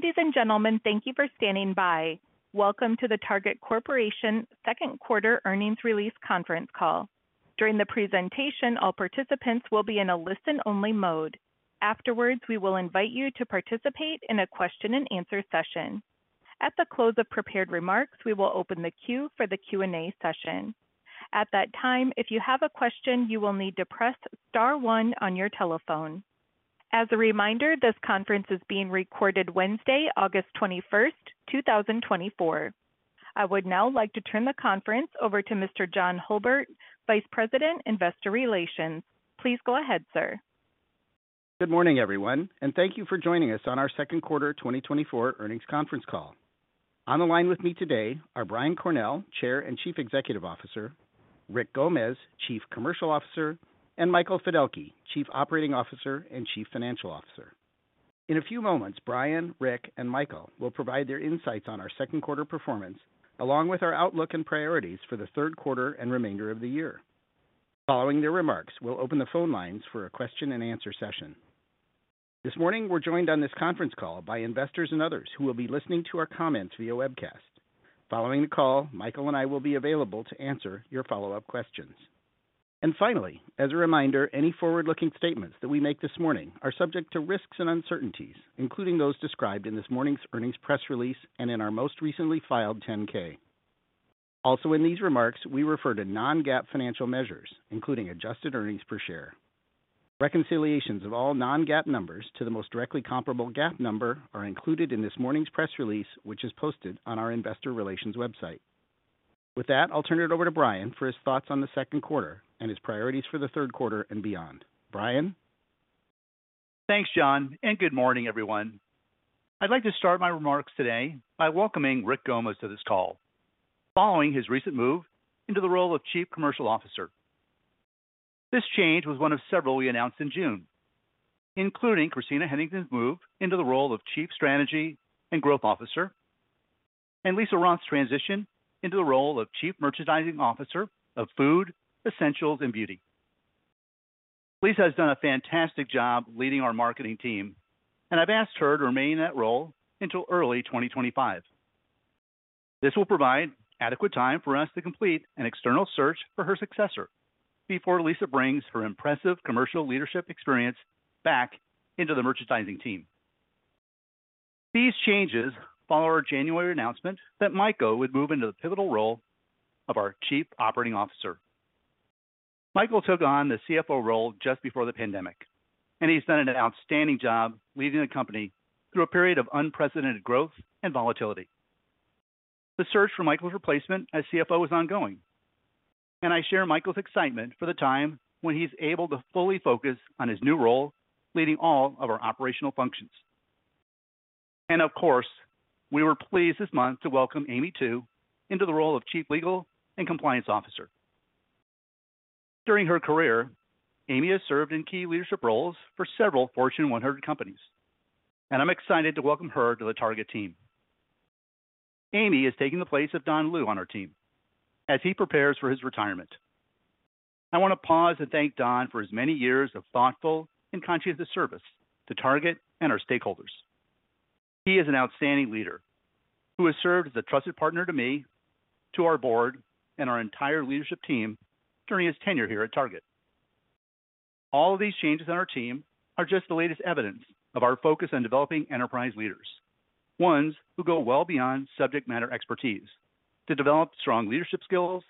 Ladies and gentlemen, thank you for standing by. Welcome to the Target Corporation Second Quarter Earnings Release Conference Call. During the presentation, all participants will be in a listen-only mode. Afterwards, we will invite you to participate in a question-and-answer session. At the close of prepared remarks, we will open the queue for the Q&A session. At that time, if you have a question, you will need to press star one on your telephone. As a reminder, this conference is being recorded Wednesday, August 21st, 2024. I would now like to turn the conference over to Mr. John Hulbert, Vice President, Investor Relations. Please go ahead, sir. Good morning, everyone, and thank you for joining us on our second quarter 2024 earnings conference call. On the line with me today are Brian Cornell, Chair and Chief Executive Officer, Rick Gomez, Chief Commercial Officer, and Michael Fiddelke, Chief Operating Officer and Chief Financial Officer. In a few moments, Brian, Rick, and Michael will provide their insights on our second quarter performance, along with our outlook and priorities for the third quarter and remainder of the year. Following their remarks, we'll open the phone lines for a question-and-answer session. This morning, we're joined on this conference call by investors and others who will be listening to our comments via webcast. Following the call, Michael and I will be available to answer your follow-up questions. And finally, as a reminder, any forward-looking statements that we make this morning are subject to risks and uncertainties, including those described in this morning's earnings press release and in our most recently filed 10-K. Also, in these remarks, we refer to non-GAAP financial measures, including adjusted earnings per share. Reconciliations of all non-GAAP numbers to the most directly comparable GAAP number are included in this morning's press release, which is posted on our investor relations website. With that, I'll turn it over to Brian for his thoughts on the second quarter and his priorities for the third quarter and beyond. Brian? Thanks, John, and good morning, everyone. I'd like to start my remarks today by welcoming Rick Gomez to this call following his recent move into the role of Chief Commercial Officer. This change was one of several we announced in June, including Christina Hennington's move into the role of Chief Strategy and Growth Officer, and Lisa Roath's transition into the role of Chief Merchandising Officer of Food, Essentials and Beauty. Lisa has done a fantastic job leading our marketing team, and I've asked her to remain in that role until early 2025. This will provide adequate time for us to complete an external search for her successor before Lisa brings her impressive commercial leadership experience back into the merchandising team. These changes follow our January announcement that Michael would move into the pivotal role of our Chief Operating Officer. Michael took on the CFO role just before the pandemic, and he's done an outstanding job leading the company through a period of unprecedented growth and volatility. The search for Michael's replacement as CFO is ongoing, and I share Michael's excitement for the time when he's able to fully focus on his new role, leading all of our operational functions. Of course, we were pleased this month to welcome Amy Tu into the role of Chief Legal and Compliance Officer. During her career, Amy has served in key leadership roles for several Fortune 100 companies, and I'm excited to welcome her to the Target team. Amy is taking the place of Don Liu on our team as he prepares for his retirement. I want to pause and thank Don for his many years of thoughtful and conscientious service to Target and our stakeholders. He is an outstanding leader who has served as a trusted partner to me, to our board, and our entire leadership team during his tenure here at Target. All of these changes on our team are just the latest evidence of our focus on developing enterprise leaders, ones who go well beyond subject matter expertise to develop strong leadership skills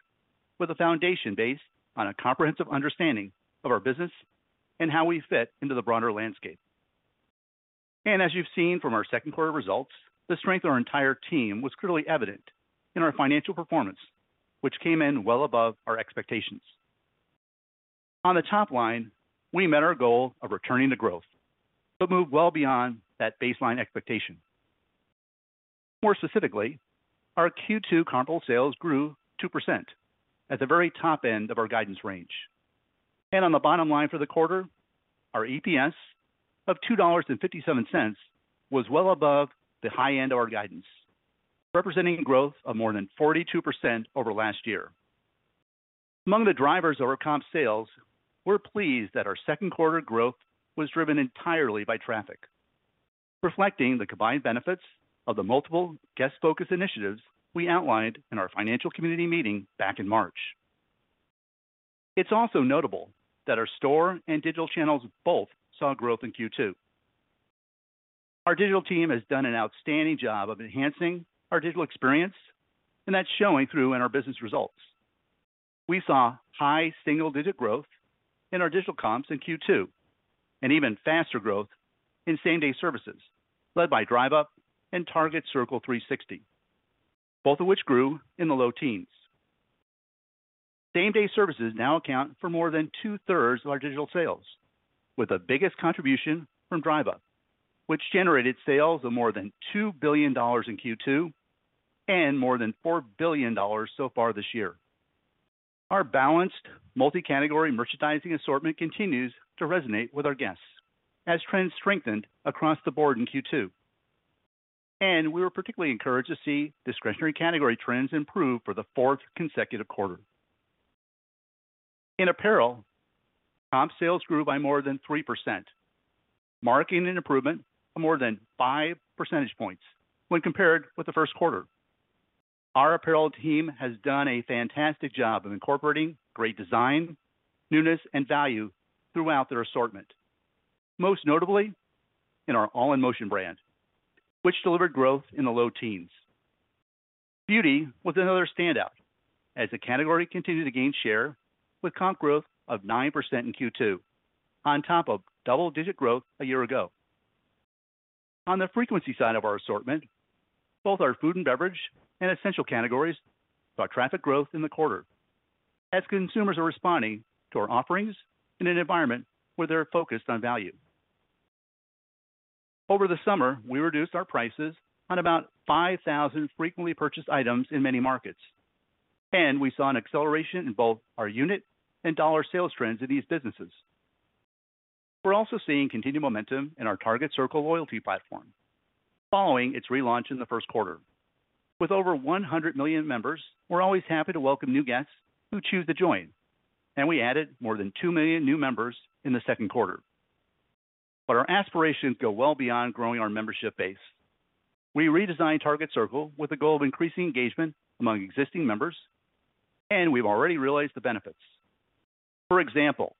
with a foundation based on a comprehensive understanding of our business and how we fit into the broader landscape. And as you've seen from our second quarter results, the strength of our entire team was clearly evident in our financial performance, which came in well above our expectations. On the top line, we met our goal of returning to growth, but moved well beyond that baseline expectation. More specifically, our Q2 comparable sales grew 2% at the very top end of our guidance range. On the bottom line for the quarter, our EPS of $2.57 was well above the high end of our guidance, representing growth of more than 42% over last year. Among the drivers of our comp sales, we're pleased that our second quarter growth was driven entirely by traffic, reflecting the combined benefits of the multiple guest-focused initiatives we outlined in our financial community meeting back in March. It's also notable that our store and digital channels both saw growth in Q2. Our digital team has done an outstanding job of enhancing our digital experience, and that's showing through in our business results. We saw high single-digit growth in our digital comps in Q2, and even faster growth in same-day services, led by Drive Up and Target Circle 360, both of which grew in the low teens. Same-day services now account for more than two-thirds of our digital sales, with the biggest contribution from Drive Up, which generated sales of more than $2 billion in Q2 and more than $4 billion so far this year. Our balanced, multi-category merchandising assortment continues to resonate with our guests as trends strengthened across the board in Q2. And we were particularly encouraged to see discretionary category trends improve for the fourth consecutive quarter. In apparel, comp sales grew by more than 3%, marking an improvement of more than five percentage points when compared with the first quarter. Our apparel team has done a fantastic job of incorporating great design, newness, and value throughout their assortment, most notably in our All In Motion brand, which delivered growth in the low teens. Beauty was another standout as the category continued to gain share with comp growth of 9% in Q2, on top of double-digit growth a year ago. On the frequency side of our assortment, both our food and beverage and essential categories saw traffic growth in the quarter, as consumers are responding to our offerings in an environment where they're focused on value. Over the summer, we reduced our prices on about 5,000 frequently purchased items in many markets, and we saw an acceleration in both our unit and dollar sales trends in these businesses. We're also seeing continued momentum in our Target Circle loyalty platform following its relaunch in the first quarter. With over 100 million members, we're always happy to welcome new guests who choose to join, and we added more than 2 million new members in the second quarter. But our aspirations go well beyond growing our membership base. We redesigned Target Circle with the goal of increasing engagement among existing members, and we've already realized the benefits. For example,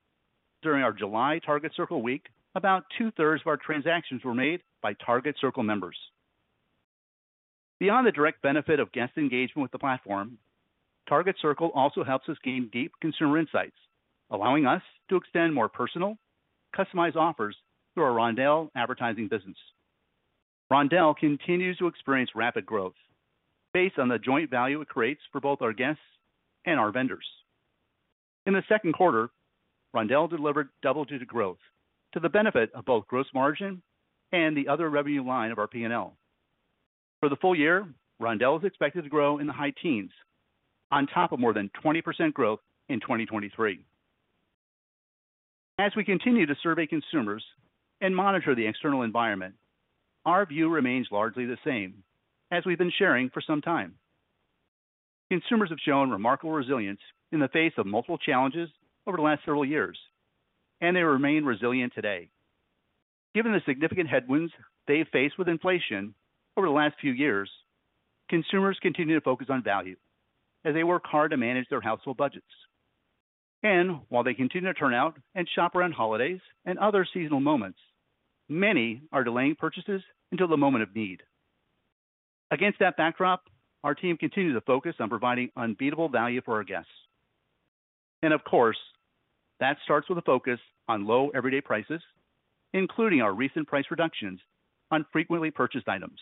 during our July Target Circle Week, about two-thirds of our transactions were made by Target Circle members. Beyond the direct benefit of guest engagement with the platform, Target Circle also helps us gain deep consumer insights, allowing us to extend more personal, customized offers through our Roundel advertising business. Roundel continues to experience rapid growth based on the joint value it creates for both our guests and our vendors. In the second quarter, Roundel delivered double-digit growth to the benefit of both gross margin and the other revenue line of our P&L. For the full year, Roundel is expected to grow in the high teens, on top of more than 20% growth in 2023. As we continue to survey consumers and monitor the external environment, our view remains largely the same as we've been sharing for some time. Consumers have shown remarkable resilience in the face of multiple challenges over the last several years, and they remain resilient today. Given the significant headwinds they face with inflation over the last few years, consumers continue to focus on value as they work hard to manage their household budgets. While they continue to turn out and shop around holidays and other seasonal moments, many are delaying purchases until the moment of need. Against that backdrop, our team continues to focus on providing unbeatable value for our guests. Of course, that starts with a focus on low everyday prices, including our recent price reductions on frequently purchased items.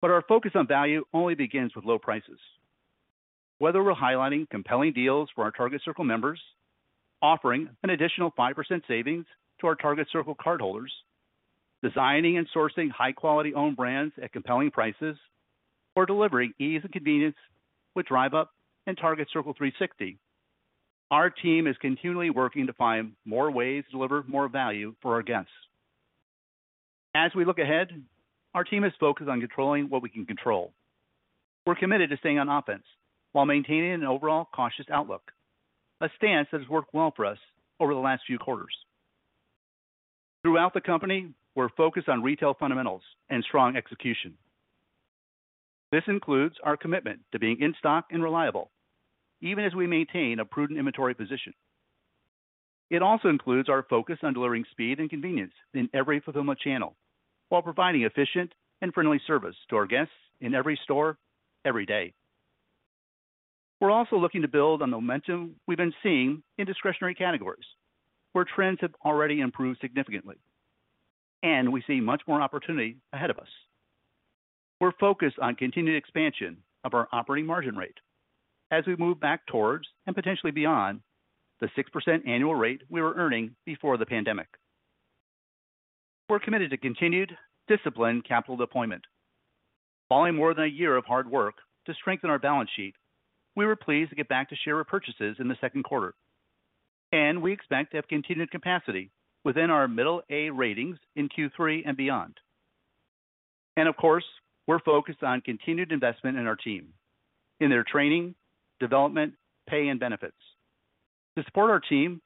But our focus on value only begins with low prices. Whether we're highlighting compelling deals for our Target Circle members, offering an additional 5% savings to our Target Circle Cardholders, designing and sourcing high-quality own brands at compelling prices, or delivering ease and convenience with Drive Up and Target Circle 360, our team is continually working to find more ways to deliver more value for our guests. As we look ahead, our team is focused on controlling what we can control. We're committed to staying on offense while maintaining an overall cautious outlook, a stance that has worked well for us over the last few quarters. Throughout the company, we're focused on retail fundamentals and strong execution. This includes our commitment to being in stock and reliable, even as we maintain a prudent inventory position. It also includes our focus on delivering speed and convenience in every fulfillment channel while providing efficient and friendly service to our guests in every store, every day. We're also looking to build on the momentum we've been seeing in discretionary categories, where trends have already improved significantly, and we see much more opportunity ahead of us. We're focused on continued expansion of our operating margin rate as we move back towards and potentially beyond the 6% annual rate we were earning before the pandemic. We're committed to continued disciplined capital deployment. Following more than a year of hard work to strengthen our balance sheet, we were pleased to get back to share repurchases in the second quarter, and we expect to have continued capacity within our Middle A ratings in Q3 and beyond. And of course, we're focused on continued investment in our team, in their training, development, pay, and benefits. To support our team,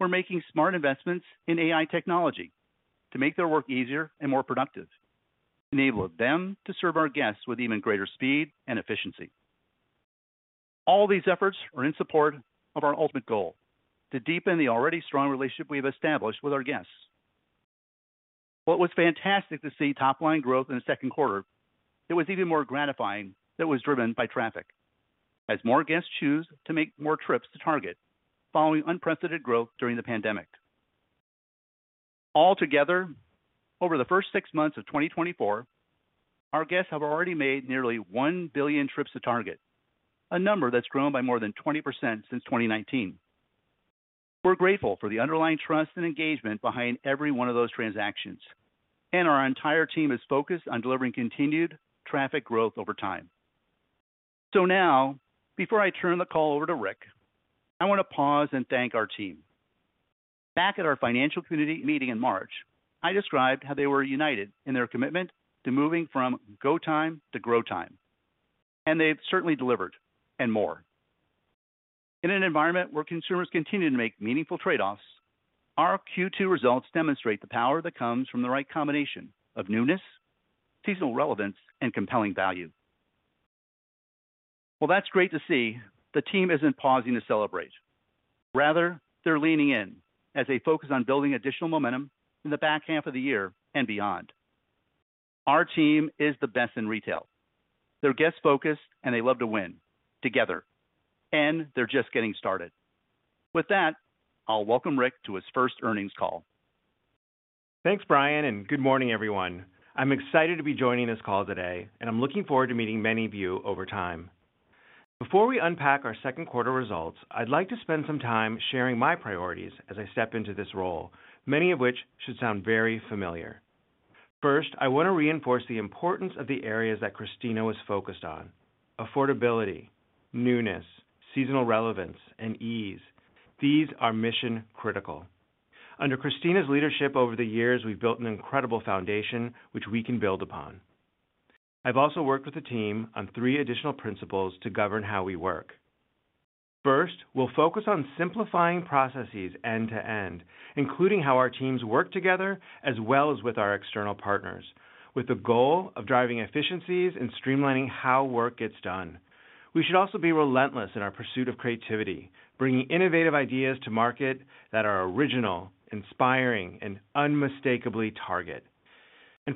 we're making smart investments in AI technology to make their work easier and more productive, enabling them to serve our guests with even greater speed and efficiency. All these efforts are in support of our ultimate goal: to deepen the already strong relationship we've established with our guests. What was fantastic to see top-line growth in the second quarter. It was even more gratifying that it was driven by traffic as more guests choose to make more trips to Target following unprecedented growth during the pandemic. Altogether, over the first six months of 2024, our guests have already made nearly one billion trips to Target, a number that's grown by more than 20% since 2019. We're grateful for the underlying trust and engagement behind every one of those transactions, and our entire team is focused on delivering continued traffic growth over time. Now, before I turn the call over to Rick, I want to pause and thank our team. Back at our financial community meeting in March, I described how they were united in their commitment to moving from go time to grow time, and they've certainly delivered and more. In an environment where consumers continue to make meaningful trade-offs, our Q2 results demonstrate the power that comes from the right combination of newness, seasonal relevance, and compelling value. Well, that's great to see. The team isn't pausing to celebrate. Rather, they're leaning in as they focus on building additional momentum in the back half of the year and beyond. Our team is the best in retail. They're guest-focused, and they love to win together, and they're just getting started. With that, I'll welcome Rick to his first earnings call. Thanks, Brian, and good morning, everyone. I'm excited to be joining this call today, and I'm looking forward to meeting many of you over time. Before we unpack our second quarter results, I'd like to spend some time sharing my priorities as I step into this role, many of which should sound very familiar. First, I want to reinforce the importance of the areas that Christina was focused on: affordability, newness, seasonal relevance, and ease. These are mission-critical. Under Christina's leadership over the years, we've built an incredible foundation, which we can build upon. I've also worked with the team on three additional principles to govern how we work. First, we'll focus on simplifying processes end to end, including how our teams work together, as well as with our external partners, with the goal of driving efficiencies and streamlining how work gets done. We should also be relentless in our pursuit of creativity, bringing innovative ideas to market that are original, inspiring, and unmistakably Target.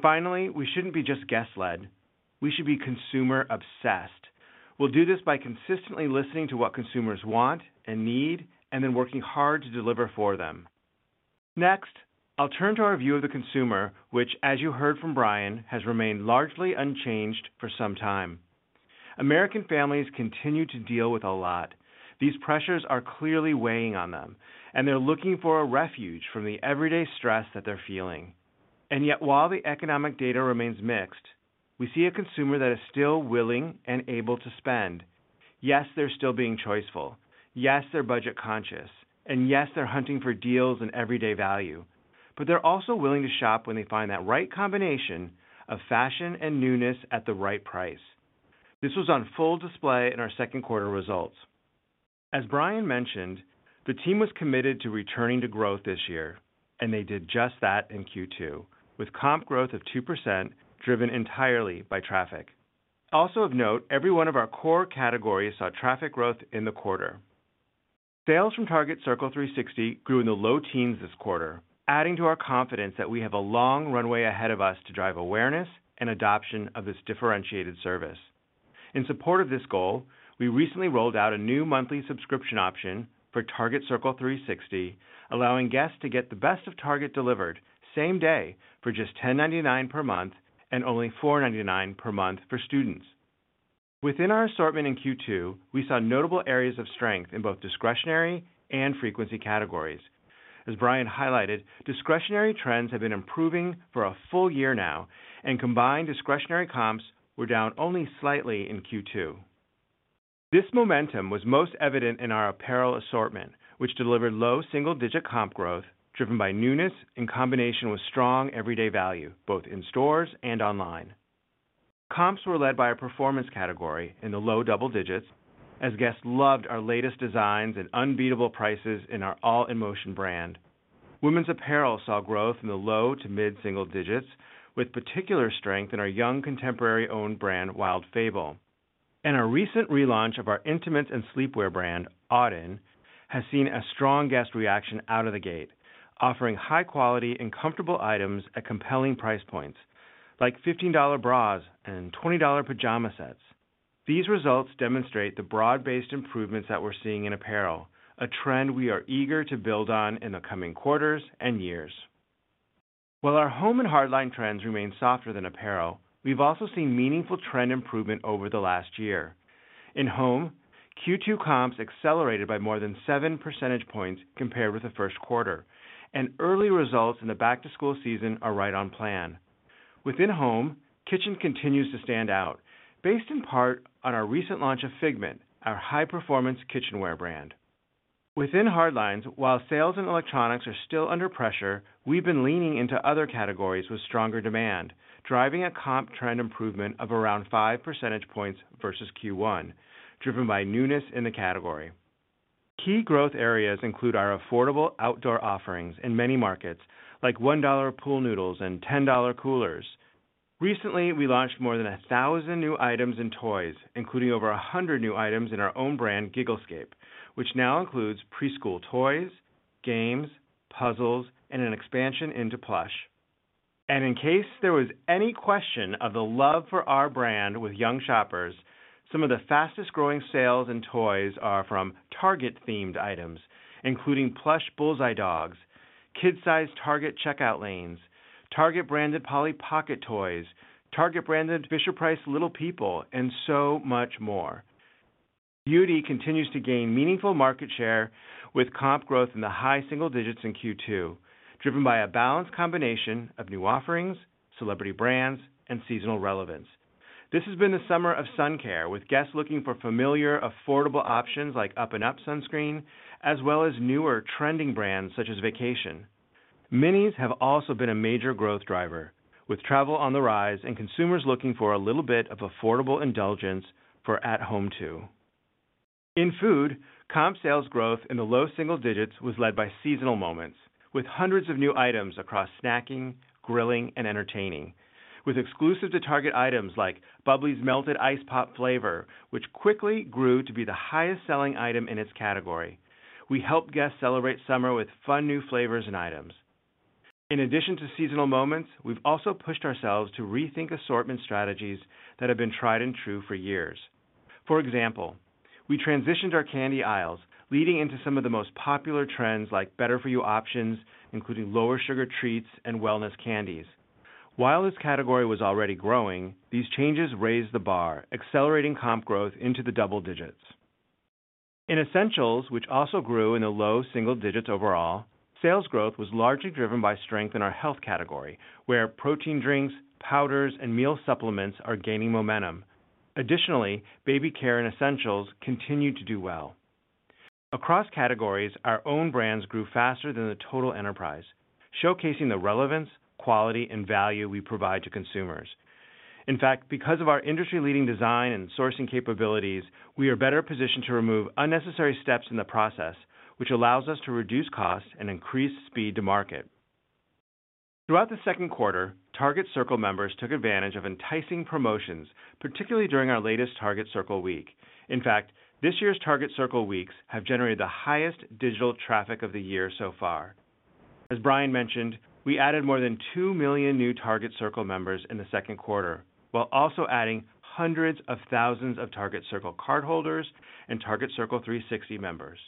Finally, we shouldn't be just guest-led. We should be consumer-obsessed. We'll do this by consistently listening to what consumers want and need, and then working hard to deliver for them. Next, I'll turn to our view of the consumer, which, as you heard from Brian, has remained largely unchanged for some time. American families continue to deal with a lot. These pressures are clearly weighing on them, and they're looking for a refuge from the everyday stress that they're feeling, and yet while the economic data remains mixed, we see a consumer that is still willing and able to spend. Yes, they're still being choiceful. Yes, they're budget-conscious, and, yes, they're hunting for deals and everyday value, but they're also willing to shop when they find that right combination of fashion and newness at the right price. This was on full display in our second quarter results. As Brian mentioned, the team was committed to returning to growth this year, and they did just that in Q2, with comp growth of 2%, driven entirely by traffic. Also of note, every one of our core categories saw traffic growth in the quarter. Sales from Target Circle 360 grew in the low teens this quarter, adding to our confidence that we have a long runway ahead of us to drive awareness and adoption of this differentiated service. In support of this goal, we recently rolled out a new monthly subscription option for Target Circle 360, allowing guests to get the best of Target delivered same day for just $10.99 per month and only $4.99 per month for students. Within our assortment in Q2, we saw notable areas of strength in both discretionary and frequency categories. As Brian highlighted, discretionary trends have been improving for a full year now, and combined discretionary comps were down only slightly in Q2. This momentum was most evident in our apparel assortment, which delivered low single-digit comp growth, driven by newness in combination with strong everyday value, both in stores and online. Comps were led by a performance category in the low double digits, as guests loved our latest designs and unbeatable prices in our All In Motion brand. Women's apparel saw growth in the low to mid-single digits, with particular strength in our young contemporary owned brand, Wild Fable, and our recent relaunch of our intimates and sleepwear brand, Auden, has seen a strong guest reaction out of the gate, offering high quality and comfortable items at compelling price points, like $15 bras and $20 pajama sets. These results demonstrate the broad-based improvements that we're seeing in apparel, a trend we are eager to build on in the coming quarters and years. While our home and hardline trends remain softer than apparel, we've also seen meaningful trend improvement over the last year. In home, Q2 comps accelerated by more than seven percentage points compared with the first quarter, and early results in the back-to-school season are right on plan. Within home, kitchen continues to stand out, based in part on our recent launch of Figmint, our high-performance kitchenware brand. Within hard lines, while sales and electronics are still under pressure, we've been leaning into other categories with stronger demand, driving a comp trend improvement of around five percentage points versus Q1, driven by newness in the category. Key growth areas include our affordable outdoor offerings in many markets, like $1 pool noodles and $10 coolers. Recently, we launched more than 1,000 new items in toys, including over 100 new items in our own brand, Gigglescape, which now includes preschool toys, games, puzzles, and an expansion into plush. In case there was any question of the love for our brand with young shoppers, some of the fastest-growing sales and toys are from Target-themed items, including plush Bullseye dogs, kid-sized Target checkout lanes, Target-branded Polly Pocket toys, Target-branded Fisher-Price Little People, and so much more. Beauty continues to gain meaningful market share with comp growth in the high single digits in Q2, driven by a balanced combination of new offerings, celebrity brands, and seasonal relevance. This has been the summer of sun care, with guests looking for familiar, affordable options like Up & Up sunscreen, as well as newer trending brands such as Vacation. Minis have also been a major growth driver, with travel on the rise and consumers looking for a little bit of affordable indulgence for at home, too. In food, comp sales growth in the low single digits was led by seasonal moments, with hundreds of new items across snacking, grilling, and entertaining. With exclusive to Target items like Bubly's melted ice pop flavor, which quickly grew to be the highest-selling item in its category, we helped guests celebrate summer with fun, new flavors and items. In addition to seasonal moments, we've also pushed ourselves to rethink assortment strategies that have been tried and true for years. For example, we transitioned our candy aisles, leading into some of the most popular trends, like better for you options, including lower sugar treats and wellness candies. While this category was already growing, these changes raised the bar, accelerating comp growth into the double digits. In essentials, which also grew in the low single digits overall, sales growth was largely driven by strength in our health category, where protein drinks, powders, and meal supplements are gaining momentum. Additionally, baby care and essentials continued to do well. Across categories, our own brands grew faster than the total enterprise, showcasing the relevance, quality, and value we provide to consumers. In fact, because of our industry-leading design and sourcing capabilities, we are better positioned to remove unnecessary steps in the process, which allows us to reduce costs and increase speed to market. Throughout the second quarter, Target Circle members took advantage of enticing promotions, particularly during our latest Target Circle Week. In fact, this year's Target Circle Weeks have generated the highest digital traffic of the year so far. As Brian mentioned, we added more than two million new Target Circle members in the second quarter, while also adding hundreds of thousands of Target Circle Cardholders and Target Circle 360 members.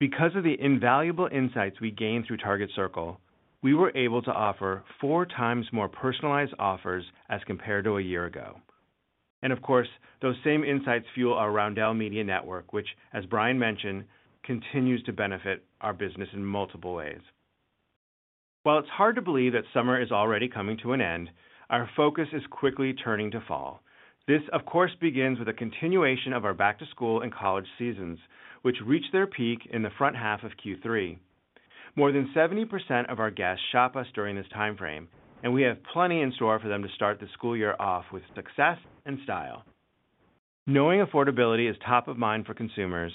Because of the invaluable insights we gained through Target Circle, we were able to offer four times more personalized offers as compared to a year ago. And of course, those same insights fuel our Roundel Media Network, which, as Brian mentioned, continues to benefit our business in multiple ways. While it's hard to believe that summer is already coming to an end, our focus is quickly turning to fall. This, of course, begins with a continuation of our back-to-school and college seasons, which reach their peak in the front half of Q3. More than 70% of our guests shop us during this timeframe, and we have plenty in store for them to start the school year off with success and style. Knowing affordability is top of mind for consumers,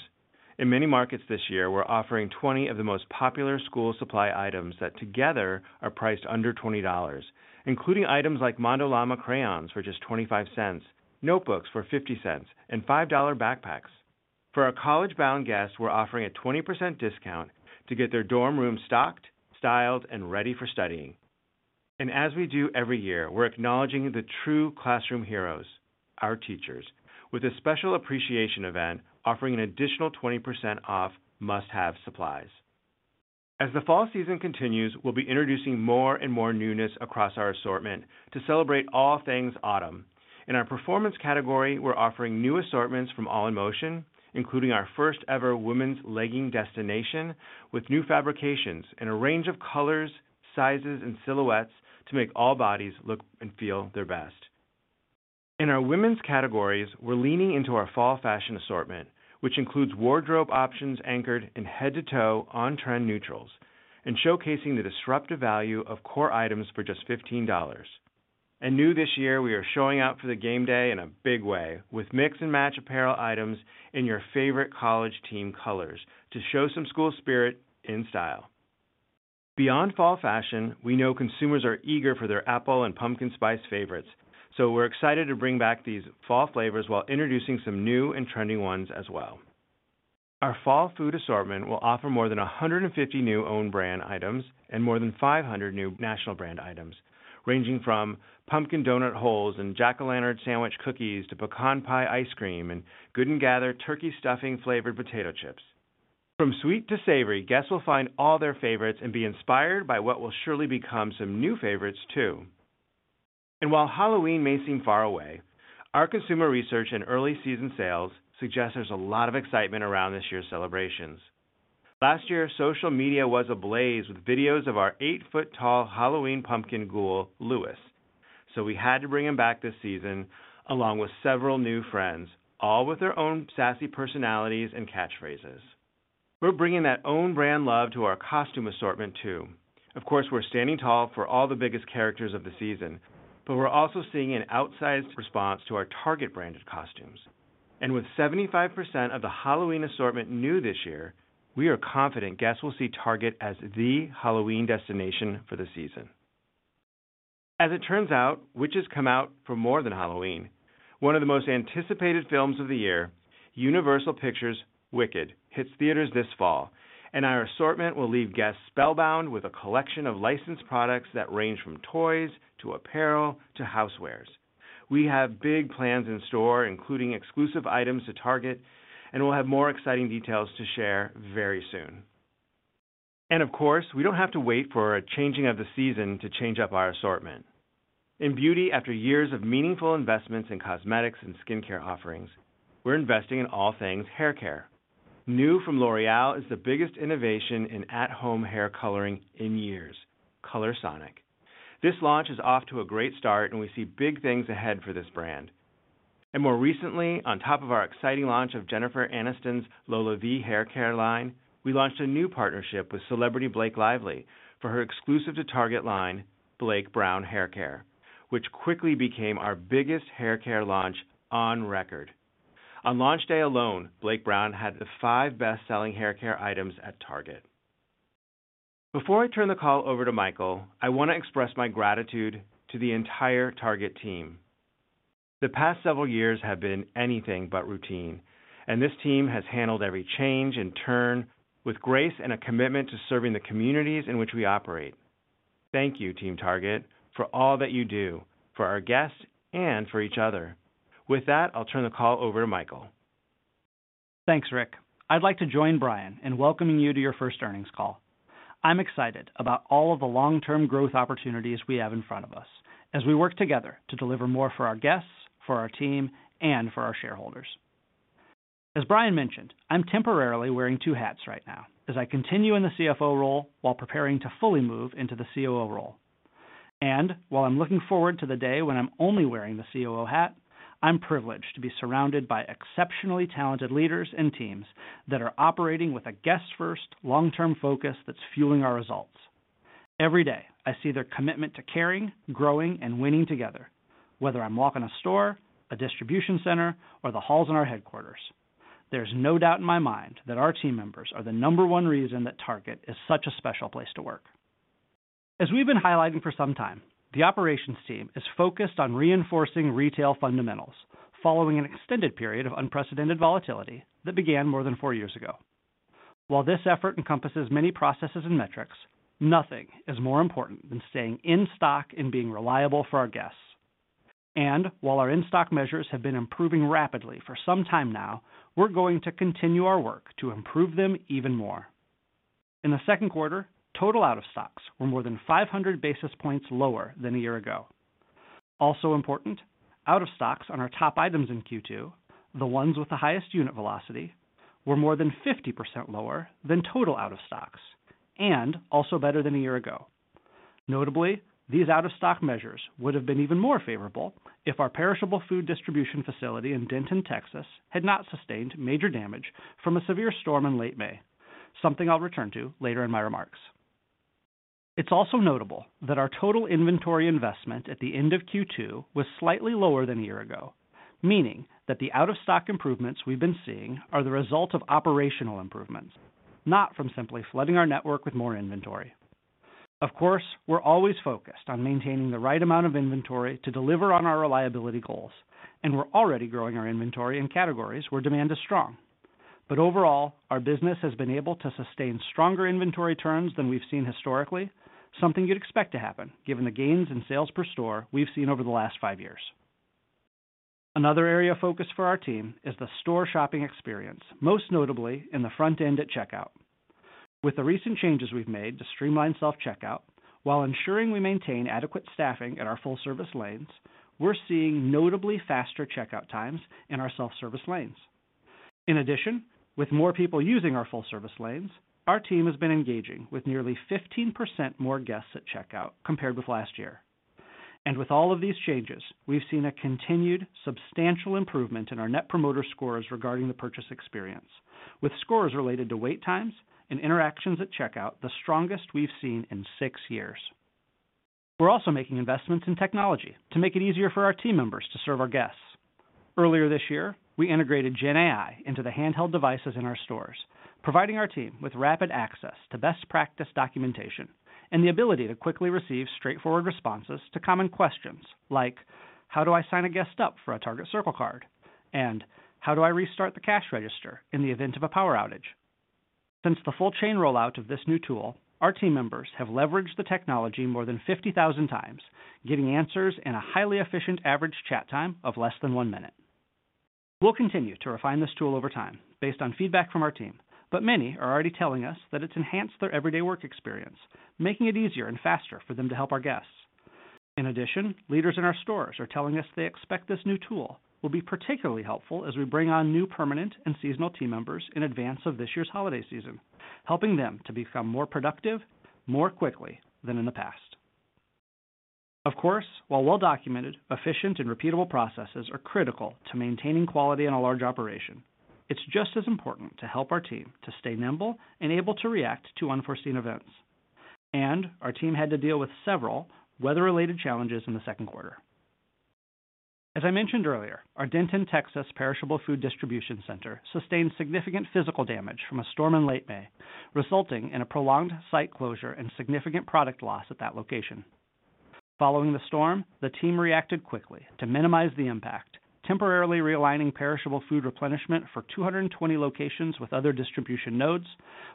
in many markets this year, we're offering 20 of the most popular school supply items that together are priced under $20, including items like Mondo Llama crayons for just $0.25, notebooks for $0.50, and $5 backpacks. For our college-bound guests, we're offering a 20% discount to get their dorm room stocked, styled, and ready for studying. As we do every year, we're acknowledging the true classroom heroes, our teachers, with a special appreciation event, offering an additional 20% off must-have supplies. As the fall season continues, we'll be introducing more and more newness across our assortment to celebrate all things autumn. In our performance category, we're offering new assortments from All In Motion, including our first ever women's legging destination, with new fabrications in a range of colors, sizes, and silhouettes to make all bodies look and feel their best. In our women's categories, we're leaning into our fall fashion assortment, which includes wardrobe options anchored in head-to-toe on-trend neutrals and showcasing the disruptive value of core items for just $15. And new this year, we are showing out for the game day in a big way with mix-and-match apparel items in your favorite college team colors to show some school spirit in style. Beyond fall fashion, we know consumers are eager for their apple and pumpkin spice favorites, so we're excited to bring back these fall flavors while introducing some new and trending ones as well. Our fall food assortment will offer more than 150 new own brand items and more than 500 new national brand items, ranging from pumpkin donut holes and jack-o'-lantern sandwich cookies to pecan pie ice cream and Good & Gather turkey stuffing flavored potato chips. From sweet to savory, guests will find all their favorites and be inspired by what will surely become some new favorites, too. And while Halloween may seem far away, our consumer research and early season sales suggest there's a lot of excitement around this year's celebrations. Last year, social media was ablaze with videos of our 8-foot-tall Halloween pumpkin ghoul, Lewis, so we had to bring him back this season, along with several new friends, all with their own sassy personalities and catchphrases. We're bringing that own brand love to our costume assortment, too. Of course, we're standing tall for all the biggest characters of the season, but we're also seeing an outsized response to our Target branded costumes, and with 75% of the Halloween assortment new this year, we are confident guests will see Target as the Halloween destination for the season. As it turns out, witches come out for more than Halloween. One of the most anticipated films of the year, Universal Pictures' Wicked, hits theaters this fall, and our assortment will leave guests spellbound with a collection of licensed products that range from toys to apparel to housewares. We have big plans in store, including exclusive items to Target, and we'll have more exciting details to share very soon, and of course, we don't have to wait for a changing of the season to change up our assortment. In beauty, after years of meaningful investments in cosmetics and skincare offerings, we're investing in all things haircare. New from L'Oréal is the biggest innovation in at-home hair coloring in years, Colorsonic. This launch is off to a great start, and we see big things ahead for this brand. More recently, on top of our exciting launch of Jennifer Aniston's LolaVie haircare line, we launched a new partnership with celebrity Blake Lively for her exclusive to Target line, Blake Brown Haircare, which quickly became our biggest haircare launch on record. On launch day alone, Blake Brown had the five best-selling haircare items at Target. Before I turn the call over to Michael, I want to express my gratitude to the entire Target team. The past several years have been anything but routine, and this team has handled every change and turn with grace and a commitment to serving the communities in which we operate. Thank you, Team Target, for all that you do for our guests and for each other. With that, I'll turn the call over to Michael. Thanks, Rick. I'd like to join Brian in welcoming you to your first earnings call. I'm excited about all of the long-term growth opportunities we have in front of us as we work together to deliver more for our guests, for our team, and for our shareholders. As Brian mentioned, I'm temporarily wearing two hats right now as I continue in the CFO role while preparing to fully move into the COO role. And while I'm looking forward to the day when I'm only wearing the COO hat, I'm privileged to be surrounded by exceptionally talented leaders and teams that are operating with a guest-first, long-term focus that's fueling our results. Every day, I see their commitment to caring, growing, and winning together, whether I'm walking a store, a distribution center, or the halls in our headquarters. There's no doubt in my mind that our team members are the number one reason that Target is such a special place to work. As we've been highlighting for some time, the operations team is focused on reinforcing retail fundamentals, following an extended period of unprecedented volatility that began more than four years ago. While this effort encompasses many processes and metrics, nothing is more important than staying in stock and being reliable for our guests. While our in-stock measures have been improving rapidly for some time now, we're going to continue our work to improve them even more. In the second quarter, total out of stocks were more than 500 basis points lower than a year ago. Also important, out of stocks on our top items in Q2, the ones with the highest unit velocity, were more than 50% lower than total out of stocks and also better than a year ago. Notably, these out-of-stock measures would have been even more favorable if our perishable food distribution facility in Denton, Texas, had not sustained major damage from a severe storm in late May, something I'll return to later in my remarks. It's also notable that our total inventory investment at the end of Q2 was slightly lower than a year ago, meaning that the out-of-stock improvements we've been seeing are the result of operational improvements, not from simply flooding our network with more inventory. Of course, we're always focused on maintaining the right amount of inventory to deliver on our reliability goals, and we're already growing our inventory in categories where demand is strong. But overall, our business has been able to sustain stronger inventory turns than we've seen historically, something you'd expect to happen given the gains in sales per store we've seen over the last five years. Another area of focus for our team is the store shopping experience, most notably in the front end at checkout. With the recent changes we've made to streamline self-checkout, while ensuring we maintain adequate staffing at our full-service lanes, we're seeing notably faster checkout times in our self-service lanes. In addition, with more people using our full-service lanes, our team has been engaging with nearly 15% more guests at checkout compared with last year. And with all of these changes, we've seen a continued substantial improvement in our Net Promoter scores regarding the purchase experience, with scores related to wait times and interactions at checkout, the strongest we've seen in six years. We're also making investments in technology to make it easier for our team members to serve our guests. Earlier this year, we integrated GenAI into the handheld devices in our stores, providing our team with rapid access to best practice documentation and the ability to quickly receive straightforward responses to common questions like, "How do I sign a guest up for a Target Circle Card?" and, "How do I restart the cash register in the event of a power outage?" Since the full chain rollout of this new tool, our team members have leveraged the technology more than 50,000 times, getting answers in a highly efficient average chat time of less than one minute. We'll continue to refine this tool over time based on feedback from our team, but many are already telling us that it's enhanced their everyday work experience, making it easier and faster for them to help our guests. In addition, leaders in our stores are telling us they expect this new tool will be particularly helpful as we bring on new, permanent and seasonal team members in advance of this year's holiday season, helping them to become more productive more quickly than in the past. Of course, while well-documented, efficient, and repeatable processes are critical to maintaining quality in a large operation, it's just as important to help our team to stay nimble and able to react to unforeseen events, and our team had to deal with several weather-related challenges in the second quarter. As I mentioned earlier, our Denton, Texas, perishable food distribution center sustained significant physical damage from a storm in late May, resulting in a prolonged site closure and significant product loss at that location. Following the storm, the team reacted quickly to minimize the impact, temporarily realigning perishable food replenishment for 220 locations with other distribution nodes,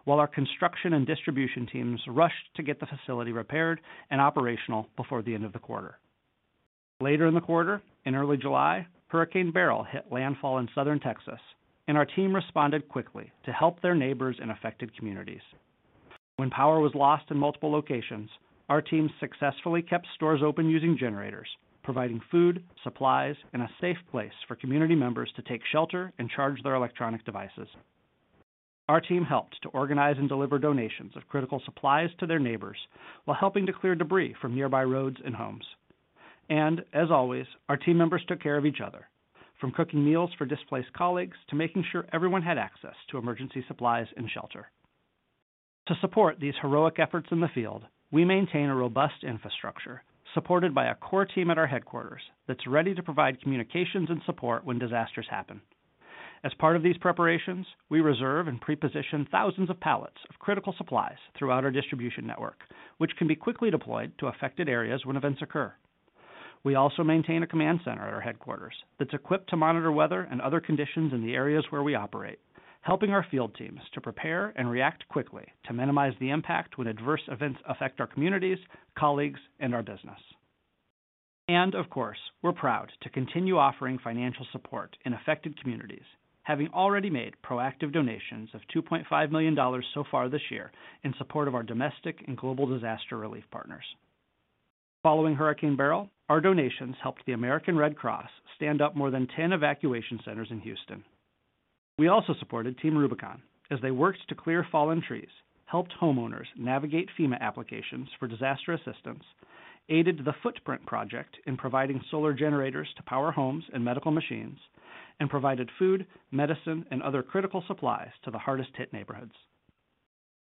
while our construction and distribution teams rushed to get the facility repaired and operational before the end of the quarter. Later in the quarter, in early July, Hurricane Beryl hit landfall in southern Texas, and our team responded quickly to help their neighbors in affected communities. When power was lost in multiple locations, our teams successfully kept stores open using generators, providing food, supplies, and a safe place for community members to take shelter and charge their electronic devices. Our team helped to organize and deliver donations of critical supplies to their neighbors, while helping to clear debris from nearby roads and homes. As always, our team members took care of each other, from cooking meals for displaced colleagues to making sure everyone had access to emergency supplies and shelter. To support these heroic efforts in the field, we maintain a robust infrastructure, supported by a core team at our headquarters that's ready to provide communications and support when disasters happen. As part of these preparations, we reserve and pre-position thousands of pallets of critical supplies throughout our distribution network, which can be quickly deployed to affected areas when events occur. We also maintain a command center at our headquarters that's equipped to monitor weather and other conditions in the areas where we operate, helping our field teams to prepare and react quickly to minimize the impact when adverse events affect our communities, colleagues, and our business. Of course, we're proud to continue offering financial support in affected communities, having already made proactive donations of $2.5 million so far this year in support of our domestic and global disaster relief partners. Following Hurricane Beryl, our donations helped the American Red Cross stand up more than 10 evacuation centers in Houston. We also supported Team Rubicon as they worked to clear fallen trees, helped homeowners navigate FEMA applications for disaster assistance, aided the Footprint Project in providing solar generators to power homes and medical machines, and provided food, medicine, and other critical supplies to the hardest hit neighborhoods.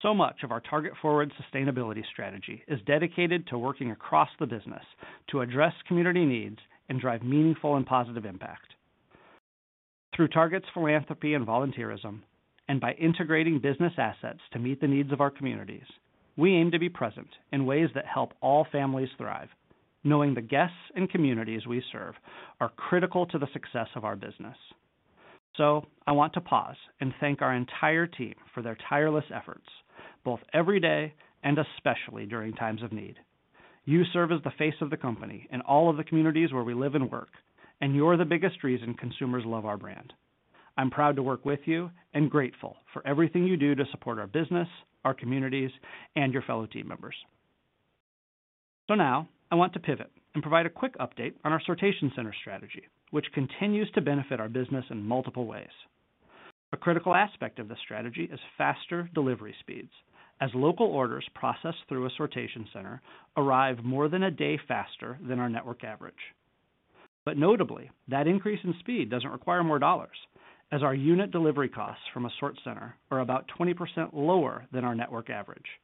So much of our Target Forward sustainability strategy is dedicated to working across the business to address community needs and drive meaningful and positive impact. Through Target's philanthropy and volunteerism, and by integrating business assets to meet the needs of our communities, we aim to be present in ways that help all families thrive, knowing the guests and communities we serve are critical to the success of our business. I want to pause and thank our entire team for their tireless efforts, both every day and especially during times of need. You serve as the face of the company in all of the communities where we live and work, and you're the biggest reason consumers love our brand. I'm proud to work with you and grateful for everything you do to support our business, our communities, and your fellow team members. Now I want to pivot and provide a quick update on our sortation center strategy, which continues to benefit our business in multiple ways. A critical aspect of this strategy is faster delivery speeds, as local orders processed through a sortation center arrive more than a day faster than our network average. But notably, that increase in speed doesn't require more dollars, as our unit delivery costs from a sort center are about 20% lower than our network average.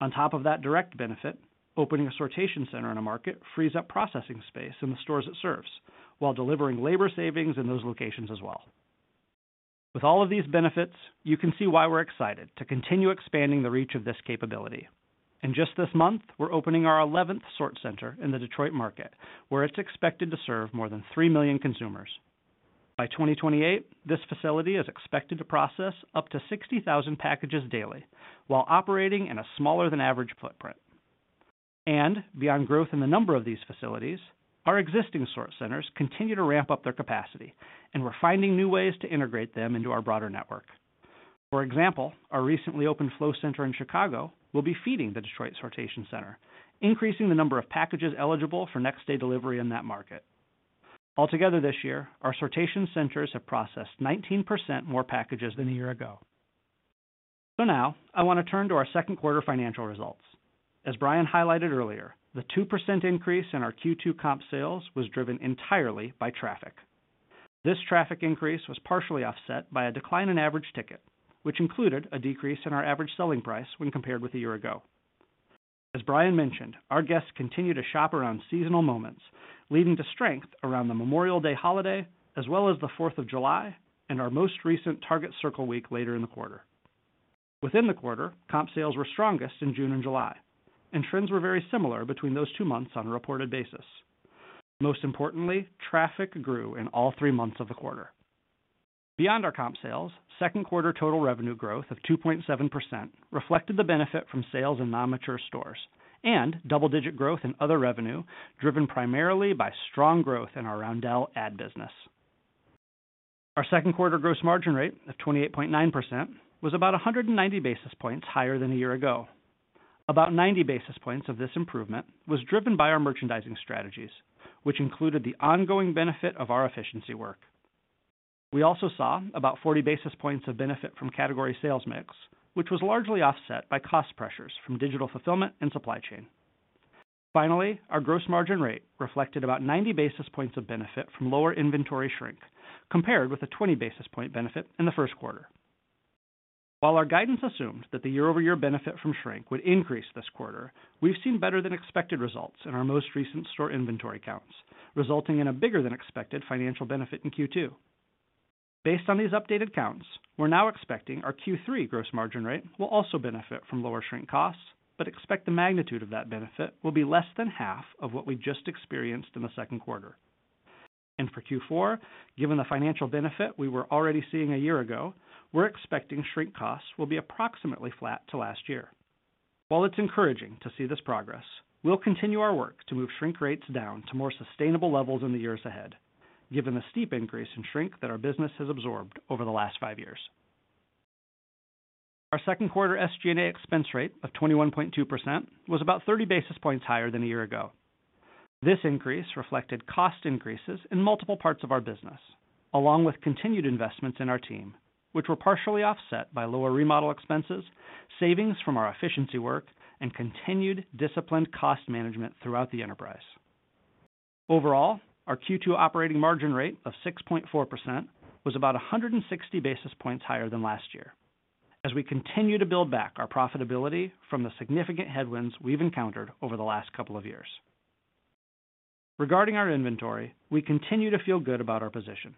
On top of that direct benefit, opening a sortation center in a market frees up processing space in the stores it serves, while delivering labor savings in those locations as well. With all of these benefits, you can see why we're excited to continue expanding the reach of this capability. Just this month, we're opening our eleventh sortation center in the Detroit market, where it's expected to serve more than three million consumers. By 2028, this facility is expected to process up to 60,000 packages daily, while operating in a smaller-than-average footprint. Beyond growth in the number of these facilities, our existing sortation centers continue to ramp up their capacity, and we're finding new ways to integrate them into our broader network. For example, our recently opened flow center in Chicago will be feeding the Detroit sortation center, increasing the number of packages eligible for next-day delivery in that market. Altogether this year, our sortation centers have processed 19% more packages than a year ago. Now I want to turn to our second quarter financial results. As Brian highlighted earlier, the 2% increase in our Q2 comp sales was driven entirely by traffic. This traffic increase was partially offset by a decline in average ticket, which included a decrease in our average selling price when compared with a year ago. As Brian mentioned, our guests continue to shop around seasonal moments, leading to strength around the Memorial Day holiday, as well as the Fourth of July, and our most recent Target Circle Week later in the quarter. Within the quarter, comp sales were strongest in June and July, and trends were very similar between those two months on a reported basis. Most importantly, traffic grew in all three months of the quarter. Beyond our comp sales, second quarter total revenue growth of 2.7% reflected the benefit from sales in non-mature stores and double-digit growth in other revenue, driven primarily by strong growth in our Roundel ad business. Our second quarter gross margin rate of 28.9% was about 190 basis points higher than a year ago. About 90 basis points of this improvement was driven by our merchandising strategies, which included the ongoing benefit of our efficiency work. We also saw about 40 basis points of benefit from category sales mix, which was largely offset by cost pressures from digital fulfillment and supply chain. Finally, our gross margin rate reflected about 90 basis points of benefit from lower inventory shrink, compared with a 20 basis point benefit in the first quarter. While our guidance assumes that the year-over-year benefit from shrink would increase this quarter, we've seen better than expected results in our most recent store inventory counts, resulting in a bigger than expected financial benefit in Q2. Based on these updated counts, we're now expecting our Q3 gross margin rate will also benefit from lower shrink costs, but expect the magnitude of that benefit will be less than half of what we just experienced in the second quarter, and for Q4, given the financial benefit we were already seeing a year ago, we're expecting shrink costs will be approximately flat to last year. While it's encouraging to see this progress, we'll continue our work to move shrink rates down to more sustainable levels in the years ahead, given the steep increase in shrink that our business has absorbed over the last five years. Our second quarter SG&A expense rate of 21.2% was about 30 basis points higher than a year ago. This increase reflected cost increases in multiple parts of our business, along with continued investments in our team, which were partially offset by lower remodel expenses, savings from our efficiency work, and continued disciplined cost management throughout the enterprise. Overall, our Q2 operating margin rate of 6.4% was about 160 basis points higher than last year. As we continue to build back our profitability from the significant headwinds we've encountered over the last couple of years. Regarding our inventory, we continue to feel good about our position.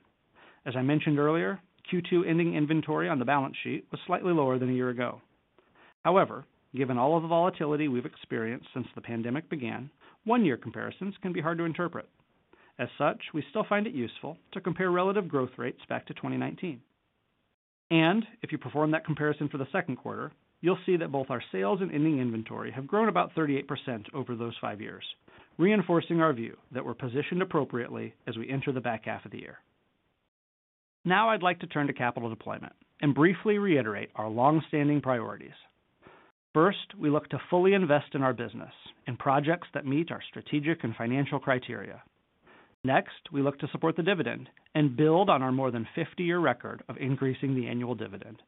As I mentioned earlier, Q2 ending inventory on the balance sheet was slightly lower than a year ago. However, given all of the volatility we've experienced since the pandemic began, one-year comparisons can be hard to interpret. As such, we still find it useful to compare relative growth rates back to twenty nineteen. And if you perform that comparison for the second quarter, you'll see that both our sales and ending inventory have grown about 38% over those five years, reinforcing our view that we're positioned appropriately as we enter the back half of the year. Now I'd like to turn to capital deployment and briefly reiterate our long-standing priorities. First, we look to fully invest in our business, in projects that meet our strategic and financial criteria. Next, we look to support the dividend and build on our more than 50-year record of increasing the annual dividend.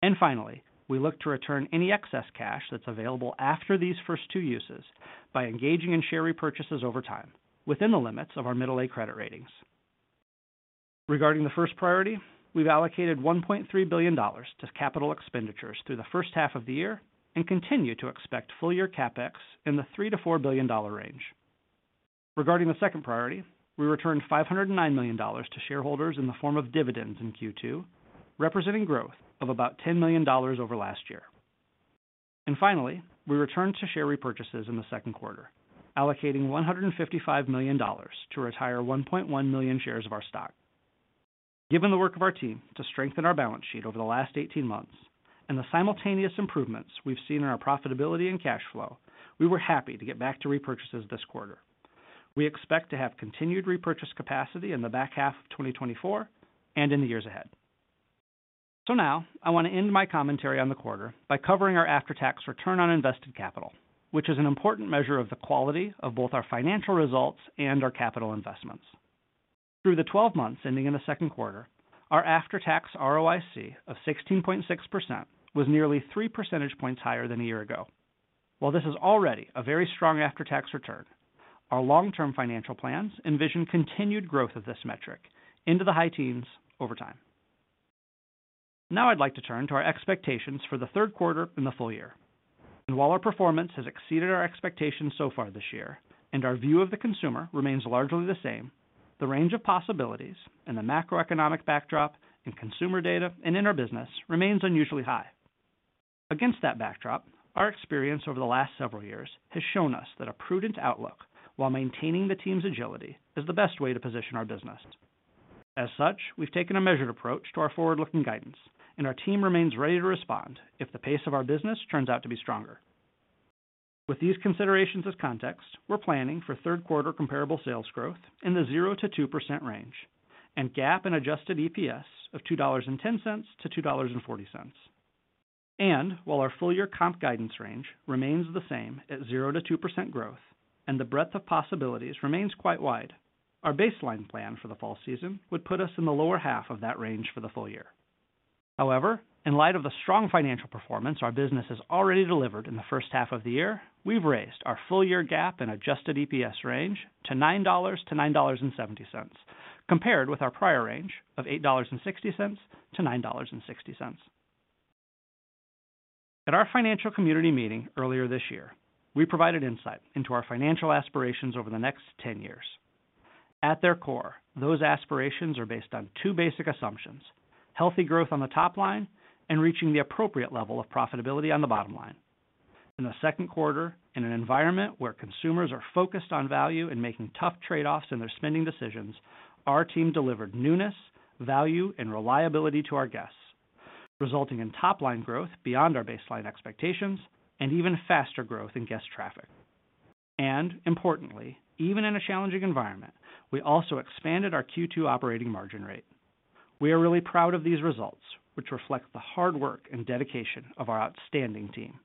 And finally, we look to return any excess cash that's available after these first two uses by engaging in share repurchases over time, within the limits of our Middle A credit ratings. Regarding the first priority, we've allocated $1.3 billion to capital expenditures through the first half of the year and continue to expect full year CapEx in the $3-$4 billion range. Regarding the second priority, we returned $509 million to shareholders in the form of dividends in Q2, representing growth of about $10 million over last year, and finally, we returned to share repurchases in the second quarter, allocating $155 million to retire 1.1 million shares of our stock. Given the work of our team to strengthen our balance sheet over the last eighteen months and the simultaneous improvements we've seen in our profitability and cash flow, we were happy to get back to repurchases this quarter. We expect to have continued repurchase capacity in the back half of 2024 and in the years ahead. Now I want to end my commentary on the quarter by covering our after-tax return on invested capital, which is an important measure of the quality of both our financial results and our capital investments. Through the twelve months ending in the second quarter, our after-tax ROIC of 16.6% was nearly three percentage points higher than a year ago. While this is already a very strong after-tax return, our long-term financial plans envision continued growth of this metric into the high teens over time. Now I'd like to turn to our expectations for the third quarter and the full year. While our performance has exceeded our expectations so far this year, and our view of the consumer remains largely the same, the range of possibilities and the macroeconomic backdrop in consumer data and in our business remains unusually high. Against that backdrop, our experience over the last several years has shown us that a prudent outlook, while maintaining the team's agility, is the best way to position our business. As such, we've taken a measured approach to our forward-looking guidance, and our team remains ready to respond if the pace of our business turns out to be stronger. With these considerations as context, we're planning for third quarter comparable sales growth in the 0% to 2% range and GAAP and adjusted EPS of $2.10 to $2.40. While our full-year comp guidance range remains the same at 0%-2% growth and the breadth of possibilities remains quite wide, our baseline plan for the fall season would put us in the lower half of that range for the full year. However, in light of the strong financial performance our business has already delivered in the first half of the year, we've raised our full-year GAAP and adjusted EPS range to $9-$9.70, compared with our prior range of $8.60-$9.60. At our financial community meeting earlier this year, we provided insight into our financial aspirations over the next 10 years. At their core, those aspirations are based on two basic assumptions, healthy growth on the top line, and reaching the appropriate level of profitability on the bottom line. In the second quarter, in an environment where consumers are focused on value and making tough trade-offs in their spending decisions, our team delivered newness, value, and reliability to our guests, resulting in top-line growth beyond our baseline expectations and even faster growth in guest traffic, and importantly, even in a challenging environment, we also expanded our Q2 operating margin rate. We are really proud of these results, which reflect the hard work and dedication of our outstanding team.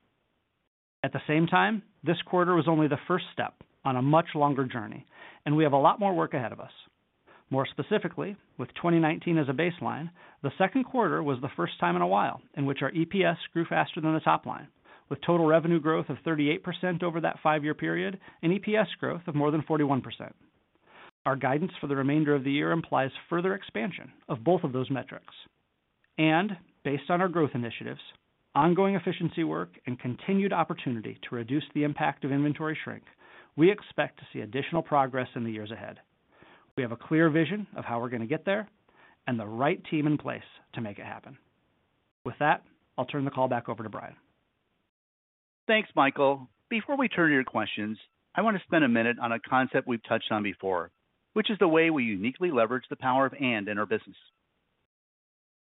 At the same time, this quarter was only the first step on a much longer journey, and we have a lot more work ahead of us. More specifically, with 2019 as a baseline, the second quarter was the first time in a while in which our EPS grew faster than the top line, with total revenue growth of 38% over that five-year period and EPS growth of more than 41%. Our guidance for the remainder of the year implies further expansion of both of those metrics. Based on our growth initiatives, ongoing efficiency work, and continued opportunity to reduce the impact of inventory shrink, we expect to see additional progress in the years ahead. We have a clear vision of how we're going to get there and the right team in place to make it happen. With that, I'll turn the call back over to Brian. Thanks, Michael. Before we turn to your questions, I want to spend a minute on a concept we've touched on before, which is the way we uniquely leverage the power of and in our business.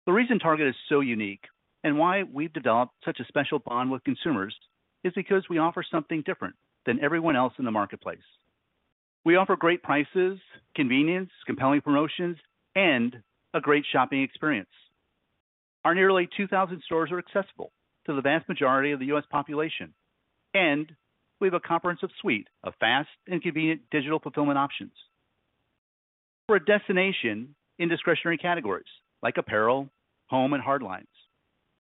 The reason Target is so unique and why we've developed such a special bond with consumers, is because we offer something different than everyone else in the marketplace. We offer great prices, convenience, compelling promotions, and a great shopping experience. Our nearly 2,000 stores are accessible to the vast majority of the U.S. population, and we have a comprehensive suite of fast and convenient digital fulfillment options. We're a destination in discretionary categories like apparel, home, and hard lines,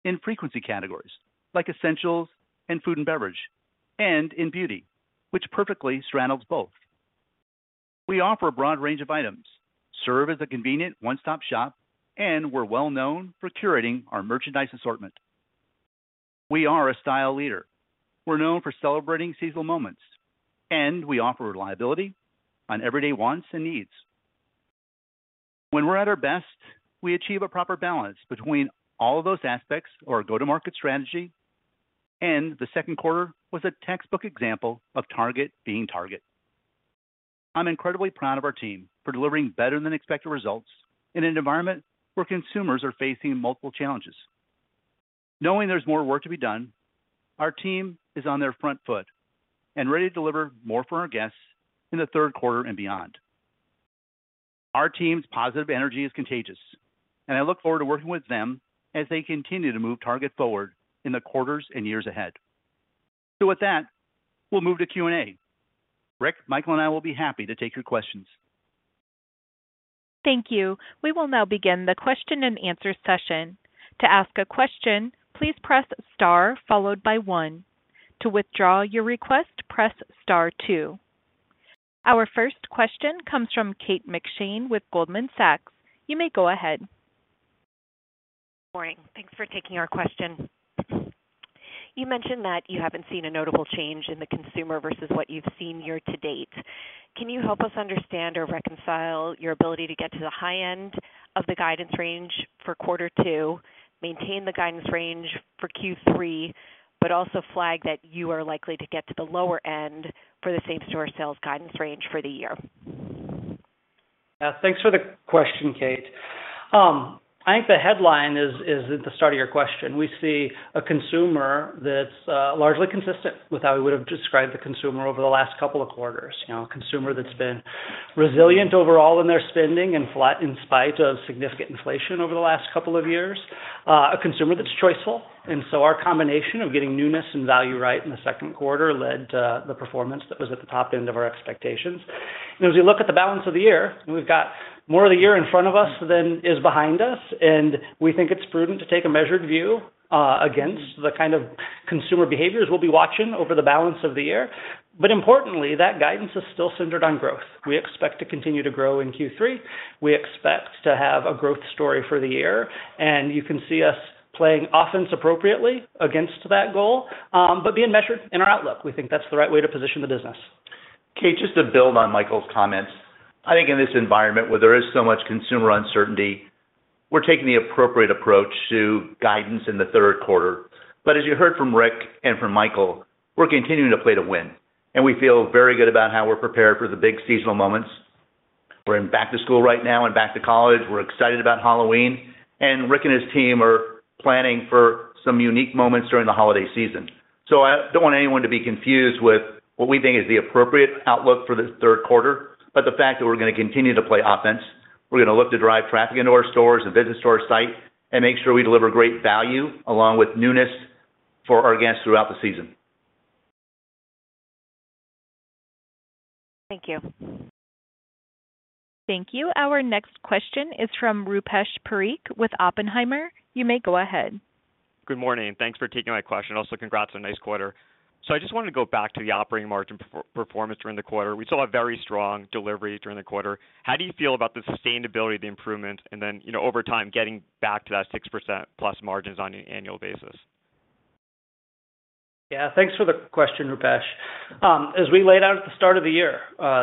in frequency categories like essentials and food and beverage, and in beauty, which perfectly straddles both. We offer a broad range of items, serve as a convenient one-stop shop, and we're well known for curating our merchandise assortment. We are a style leader. We're known for celebrating seasonal moments, and we offer reliability on everyday wants and needs. When we're at our best, we achieve a proper balance between all of those aspects, our go-to-market strategy, and the second quarter was a textbook example of Target being Target. I'm incredibly proud of our team for delivering better than expected results in an environment where consumers are facing multiple challenges. Knowing there's more work to be done, our team is on their front foot and ready to deliver more for our guests in the third quarter and beyond. Our team's positive energy is contagious, and I look forward to working with them as they continue to move Target forward in the quarters and years ahead. So with that, we'll move to Q&A. Rick, Michael, and I will be happy to take your questions. Thank you. We will now begin the question-and-answer session. To ask a question, please press star followed by one. To withdraw your request, press star two. Our first question comes from Kate McShane with Goldman Sachs. You may go ahead. Morning. Thanks for taking our question. You mentioned that you haven't seen a notable change in the consumer versus what you've seen year to date. Can you help us understand or reconcile your ability to get to the high end of the guidance range for quarter two, maintain the guidance range for Q3, but also flag that you are likely to get to the lower end for the same-store sales guidance range for the year? Yeah, thanks for the question, Kate. I think the headline is at the start of your question. We see a consumer that's largely consistent with how we would have described the consumer over the last couple of quarters. You know, a consumer that's been resilient overall in their spending and flat in spite of significant inflation over the last couple of years. A consumer that's choiceful, and so our combination of getting newness and value right in the second quarter led to the performance that was at the top end of our expectations. And as you look at the balance of the year, we've got more of the year in front of us than is behind us, and we think it's prudent to take a measured view against the kind of consumer behaviors we'll be watching over the balance of the year. But importantly, that guidance is still centered on growth. We expect to continue to grow in Q3. We expect to have a growth story for the year, and you can see us playing offense appropriately against that goal, but being measured in our outlook. We think that's the right way to position the business. Kate, just to build on Michael's comments. I think in this environment where there is so much consumer uncertainty, we're taking the appropriate approach to guidance in the third quarter. But as you heard from Rick and from Michael, we're continuing to play to win, and we feel very good about how we're prepared for the big seasonal moments. We're in back to school right now and back to college. We're excited about Halloween, and Rick and his team are planning for some unique moments during the holiday season. I don't want anyone to be confused with what we think is the appropriate outlook for the third quarter, but the fact that we're going to continue to play offense, we're going to look to drive traffic into our stores and visit our site and make sure we deliver great value along with newness for our guests throughout the season. Thank you. Thank you. Our next question is from Rupesh Parikh with Oppenheimer. You may go ahead. Good morning, and thanks for taking my question. Also, congrats on a nice quarter. I just wanted to go back to the operating margin performance during the quarter. We saw a very strong delivery during the quarter. How do you feel about the sustainability of the improvement and then, you know, over time, getting back to that 6% plus margins on an annual basis? Yeah, thanks for the question, Rupesh. As we laid out at the start of the year,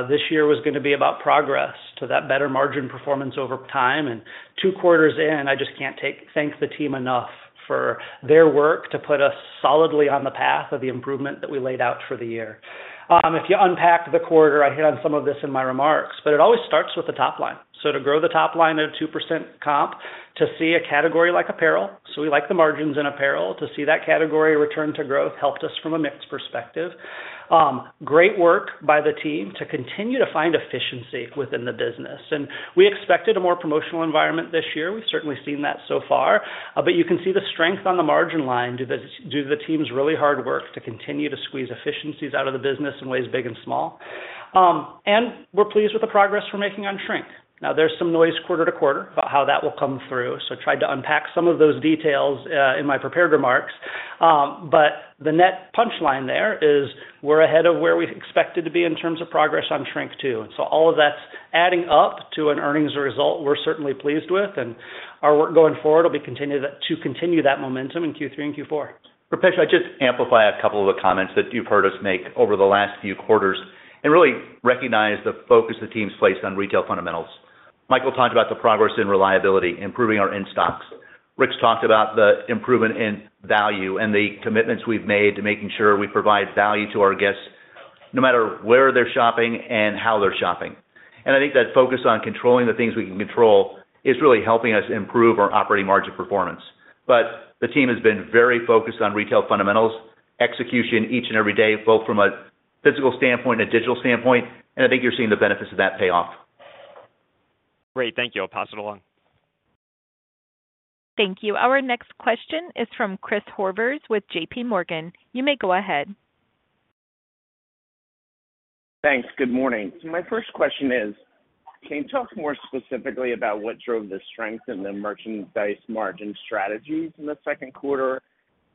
this year was going to be about progress to that better margin performance over time, and two quarters in, I just can't thank the team enough for their work to put us solidly on the path of the improvement that we laid out for the year. If you unpack the quarter, I hit on some of this in my remarks, but it always starts with the top line. To grow the top line at a 2% comp, to see a category like apparel, so we like the margins in apparel. To see that category return to growth helped us from a mix perspective. Great work by the team to continue to find efficiency within the business. We expected a more promotional environment this year. We've certainly seen that so far, but you can see the strength on the margin line due to the team's really hard work to continue to squeeze efficiencies out of the business in ways big and small, and we're pleased with the progress we're making on shrink. Now, there's some noise quarter to quarter about how that will come through, so tried to unpack some of those details in my prepared remarks, but the net punchline there is we're ahead of where we expected to be in terms of progress on shrink too, so all of that's adding up to an earnings result we're certainly pleased with, and our work going forward will be to continue that momentum in Q3 and Q4. Rupesh, I just amplify a couple of the comments that you've heard us make over the last few quarters and really recognize the focus the team's placed on retail fundamentals. Michael talked about the progress in reliability, improving our in-stocks. Rick's talked about the improvement in value and the commitments we've made to making sure we provide value to our guests, no matter where they're shopping and how they're shopping, and I think that focus on controlling the things we can control is really helping us improve our operating margin performance, but the team has been very focused on retail fundamentals, execution each and every day, both from a physical standpoint and a digital standpoint, and I think you're seeing the benefits of that pay off. Great. Thank you. I'll pass it along. Thank you. Our next question is from Chris Horvers with JPMorgan. You may go ahead. Thanks. Good morning. My first question is, can you talk more specifically about what drove the strength in the merchandise margin strategies in the second quarter,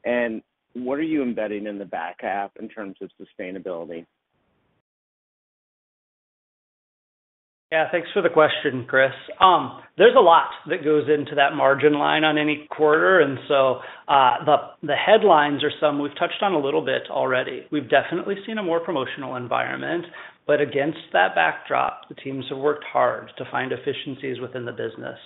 and what are you embedding in the back half in terms of sustainability? Yeah, thanks for the question, Chris. There's a lot that goes into that margin line on any quarter, and so, the headlines are some we've touched on a little bit already. We've definitely seen a more promotional environment, but against that backdrop, the teams have worked hard to find efficiencies within the business.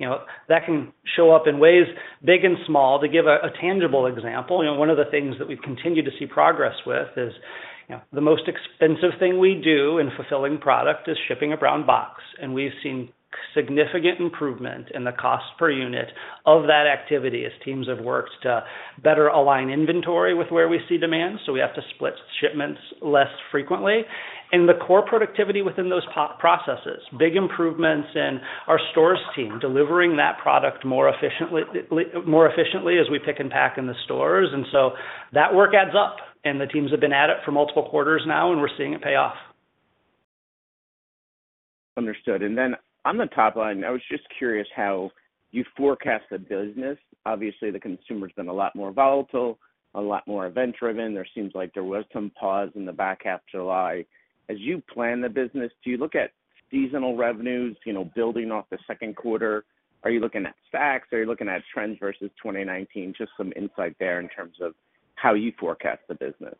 You know, that can show up in ways big and small. To give a tangible example, you know, one of the things that we've continued to see progress with is, you know, the most expensive thing we do in fulfilling product is shipping a brown box, and we've seen significant improvement in the cost per unit of that activity as teams have worked to better align inventory with where we see demand, so we have to split shipments less frequently. The core productivity within those processes, big improvements in our stores team, delivering that product more efficiently as we pick and pack in the stores. That work adds up, and the teams have been at it for multiple quarters now, and we're seeing it pay off. Understood. Then on the top line, I was just curious how you forecast the business. Obviously, the consumer's been a lot more volatile, a lot more event-driven. There seems like there was some pause in the back half July. As you plan the business, do you look at seasonal revenues, you know, building off the second quarter? Are you looking at stacks? Are you looking at trends versus 2019? Just some insight there in terms of how you forecast the business.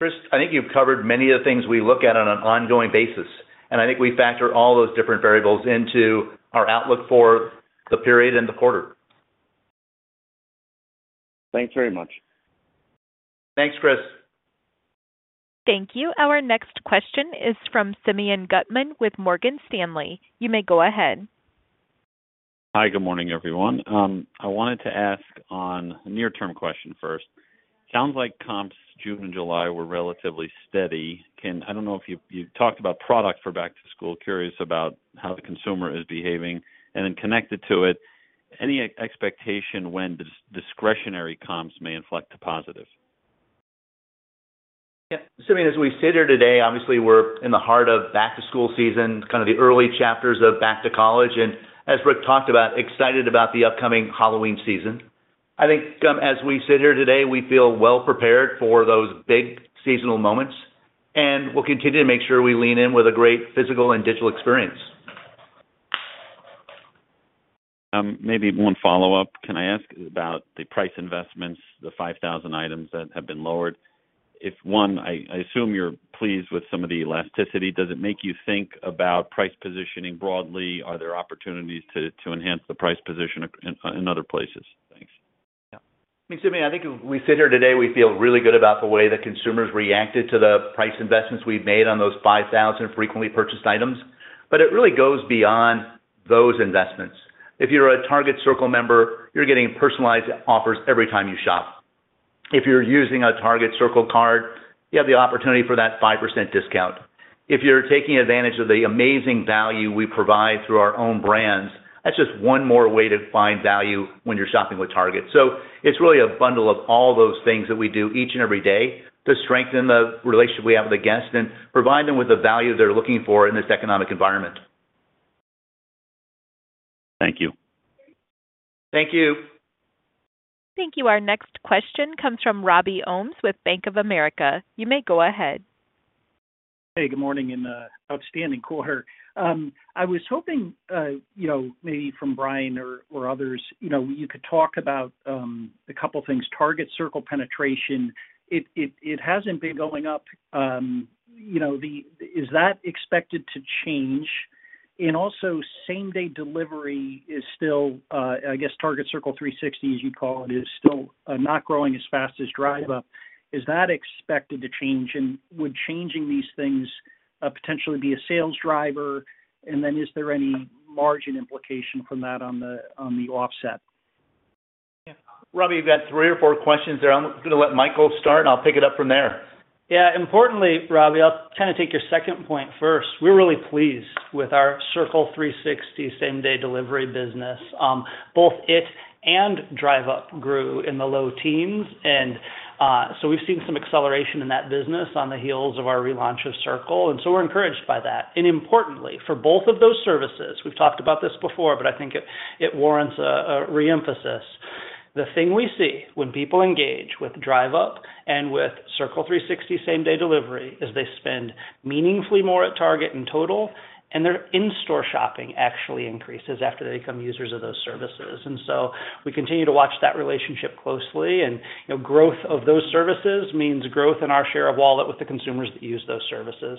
Chris, I think you've covered many of the things we look at on an ongoing basis, and I think we factor all those different variables into our outlook for the period and the quarter. Thanks very much. Thanks, Chris. Thank you. Our next question is from Simeon Gutman with Morgan Stanley. You may go ahead. Hi, good morning, everyone. I wanted to ask on a near-term question first. Sounds like comps, June and July, were relatively steady. I don't know if you've talked about product for back to school. Curious about how the consumer is behaving, and then connected to it, any expectation when discretionary comps may inflect to positive? Yeah, Simeon, as we sit here today, obviously we're in the heart of back to school season, kind of the early chapters of back to college, and as Rick talked about, excited about the upcoming Halloween season. I think, as we sit here today, we feel well prepared for those big seasonal moments, and we'll continue to make sure we lean in with a great physical and digital experience. Maybe one follow-up. Can I ask about the price investments, the 5,000 items that have been lowered? I assume you're pleased with some of the elasticity. Does it make you think about price positioning broadly? Are there opportunities to enhance the price position in other places? Thanks. Yeah. I mean, Simeon, I think if we sit here today, we feel really good about the way the consumers reacted to the price investments we've made on those five thousand frequently purchased items. But it really goes beyond those investments. If you're a Target Circle member, you're getting personalized offers every time you shop. If you're using a Target Circle Card, you have the opportunity for that 5% discount. If you're taking advantage of the amazing value we provide through our own brands, that's just one more way to find value when you're shopping with Target. So it's really a bundle of all those things that we do each and every day to strengthen the relationship we have with the guest and provide them with the value they're looking for in this economic environment. Thank you. Thank you. Thank you. Our next question comes from Robbie Ohmes with Bank of America. You may go ahead. Hey, good morning, and, outstanding quarter. I was hoping, you know, maybe from Brian or others, you know, you could talk about a couple things. Target Circle penetration, it hasn't been going up. You know, is that expected to change? Also, same-day delivery is still, I guess Target Circle 360, as you'd call it, is still not growing as fast as Drive Up. Is that expected to change? And would changing these things potentially be a sales driver? Then is there any margin implication from that on the offset? Yeah. Robbie, you've got three or four questions there. I'm gonna let Michael start, and I'll pick it up from there. Yeah, importantly, Robbie, I'll kind of take your second point first. We're really pleased with our Circle 360 same-day delivery business. Both it and Drive Up grew in the low teens, and so we've seen some acceleration in that business on the heels of our relaunch of Circle, and so we're encouraged by that. And importantly, for both of those services, we've talked about this before, but I think it warrants a re-emphasis. The thing we see when people engage with Drive Up and with Circle 360 same-day delivery is they spend meaningfully more at Target in total, and their in-store shopping actually increases after they become users of those services. We continue to watch that relationship closely. You know, growth of those services means growth in our share of wallet with the consumers that use those services.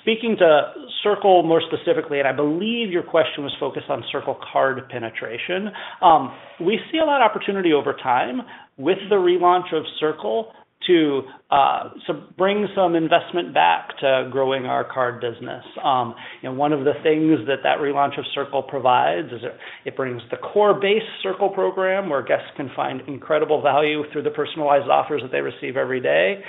Speaking to Circle more specifically, and I believe your question was focused on Circle Card penetration. We see a lot of opportunity over time with the relaunch of Circle to bring some investment back to growing our card business. One of the things that that relaunch of Circle provides is it brings the core base Circle program, where guests can find incredible value through the personalized offers that they receive every day.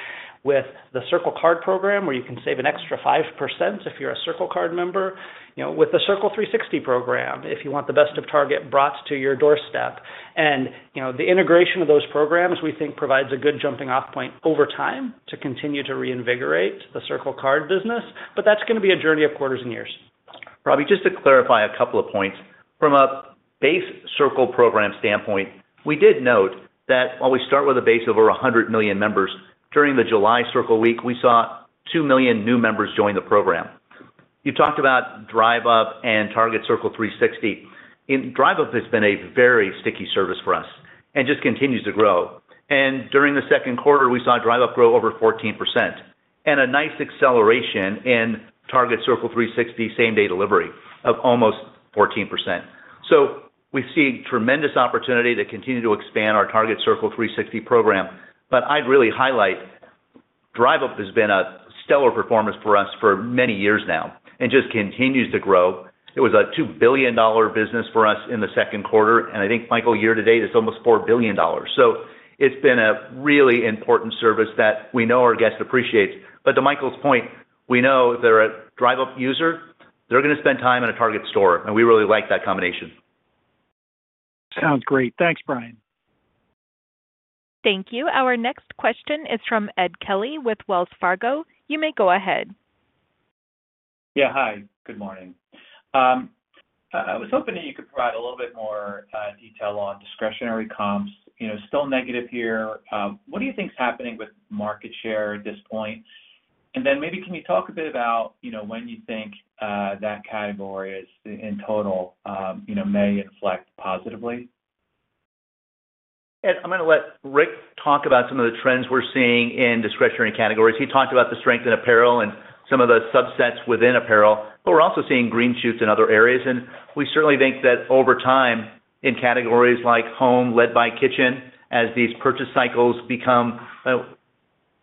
With the Circle Card program, where you can save an extra 5% if you're a Circle Card member, you know, with the Circle 360 program, if you want the best of Target brought to your doorstep. You know, the integration of those programs, we think, provides a good jumping off point over time to continue to reinvigorate the Circle Card business, but that's gonna be a journey of quarters and years. Robbie, just to clarify a couple of points. From a base Circle program standpoint, we did note that while we start with a base of over 100 million members, during the July Circle Week, we saw 2 million new members join the program. You talked about Drive Up and Target Circle 360. Drive Up has been a very sticky service for us and just continues to grow. During the second quarter, we saw Drive Up grow over 14% and a nice acceleration in Target Circle 360 same-day delivery of almost 14%. We see tremendous opportunity to continue to expand our Target Circle 360 program. But I'd really highlight, Drive Up has been a stellar performance for us for many years now and just continues to grow. It was a $2 billion business for us in the second quarter, and I think, Michael, year to date, it's almost $4 billion. It's been a really important service that we know our guests appreciate. But to Michael's point, we know if they're a Drive Up user, they're gonna spend time in a Target store, and we really like that combination. Sounds great. Thanks, Brian. Thank you. Our next question is from Ed Kelly with Wells Fargo. You may go ahead. Yeah. Hi, good morning. I was hoping that you could provide a little bit more detail on discretionary comps. You know, still negative here. What do you think is happening with market share at this point? Then maybe can you talk a bit about, you know, when you think that category is in total may inflect positively? Ed, I'm gonna let Rick talk about some of the trends we're seeing in discretionary categories. He talked about the strength in apparel and some of the subsets within apparel, but we're also seeing green shoots in other areas, and we certainly think that over time, in categories like home, led by kitchen, as these purchase cycles become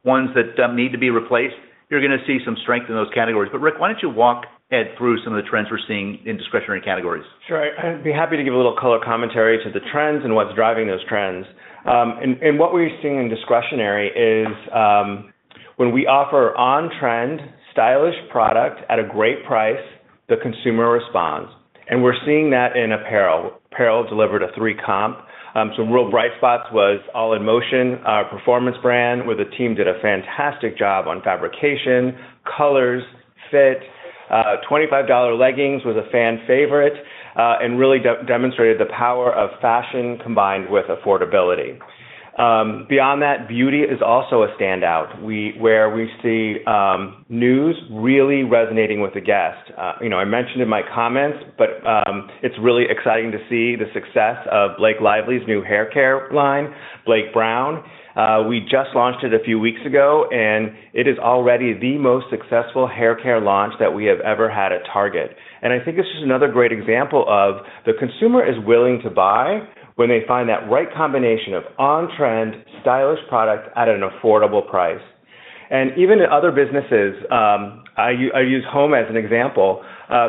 ones that need to be replaced, you're gonna see some strength in those categories, but Rick, why don't you walk Ed through some of the trends we're seeing in discretionary categories? Sure. I'd be happy to give a little color commentary to the trends and what's driving those trends. And what we're seeing in discretionary is, when we offer on-trend, stylish product at a great price, the consumer responds, and we're seeing that in apparel. Apparel delivered a three comp. Some real bright spots was All In Motion, our performance brand, where the team did a fantastic job on fabrication, colors, fit. 25-dollar leggings was a fan favorite, and really demonstrated the power of fashion combined with affordability. Beyond that, beauty is also a standout, where we see, news really resonating with the guest. You know, I mentioned in my comments, but, it's really exciting to see the success of Blake Lively's new haircare line, Blake Brown. We just launched it a few weeks ago, and it is already the most successful haircare launch that we have ever had at Target. I think this is another great example of the consumer is willing to buy when they find that right combination of on-trend, stylish product at an affordable price. Even in other businesses, I use Home as an example.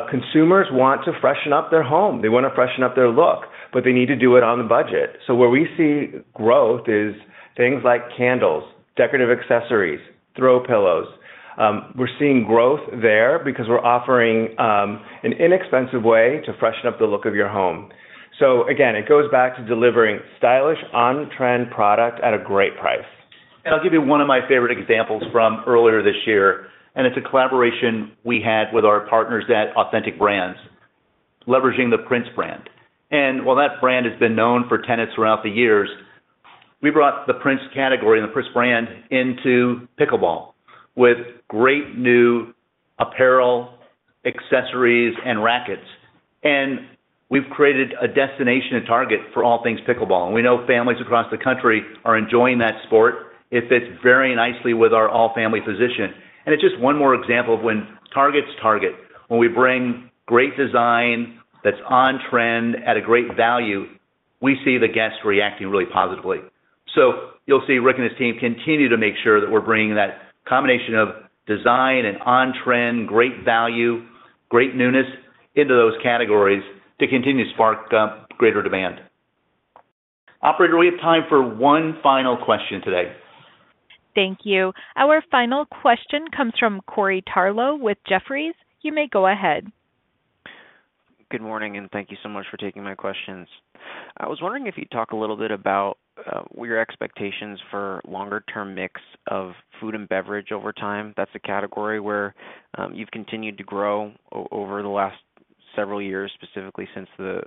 Consumers want to freshen up their home. They wanna freshen up their look, but they need to do it on a budget. Where we see growth is things like candles, decorative accessories, throw pillows. We're seeing growth there because we're offering an inexpensive way to freshen up the look of your home. Again, it goes back to delivering stylish, on-trend product at a great price. I'll give you one of my favorite examples from earlier this year, and it's a collaboration we had with our partners at Authentic Brands, leveraging the Prince brand. While that brand has been known for tennis throughout the years, we brought the Prince category and the Prince brand into pickleball with great new apparel, accessories, and rackets. We've created a destination at Target for all things pickleball, and we know families across the country are enjoying that sport. It fits very nicely with our all-family position, and it's just one more example of when Target's Target, when we bring great design that's on-trend at a great value, we see the guests reacting really positively. So you'll see Rick and his team continue to make sure that we're bringing that combination of design and on-trend, great value, great newness into those categories to continue to spark greater demand. Operator, we have time for one final question today. Thank you. Our final question comes from Corey Tarlowe with Jefferies. You may go ahead. Good morning, and thank you so much for taking my questions. I was wondering if you'd talk a little bit about what are your expectations for longer term mix of food and beverage over time. That's a category where you've continued to grow over the last several years, specifically since the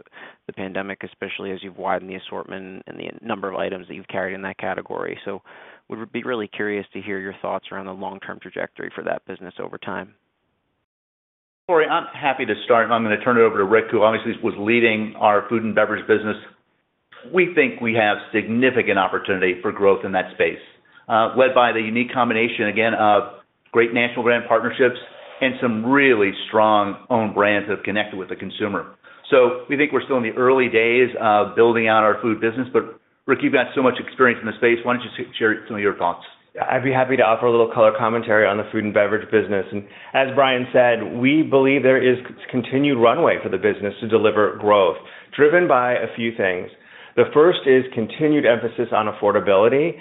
pandemic, especially as you've widened the assortment and the number of items that you've carried in that category. Would be really curious to hear your thoughts around the long-term trajectory for that business over time. Corey, I'm happy to start, and I'm gonna turn it over to Rick, who obviously was leading our food and beverage business. We think we have significant opportunity for growth in that space, led by the unique combination, again, of great national brand partnerships and some really strong own brands that have connected with the consumer. We think we're still in the early days of building out our food business, but Rick, you've got so much experience in this space. Why don't you share some of your thoughts? I'd be happy to offer a little color commentary on the food and beverage business. And as Brian said, we believe there is continued runway for the business to deliver growth, driven by a few things. The first is continued emphasis on affordability.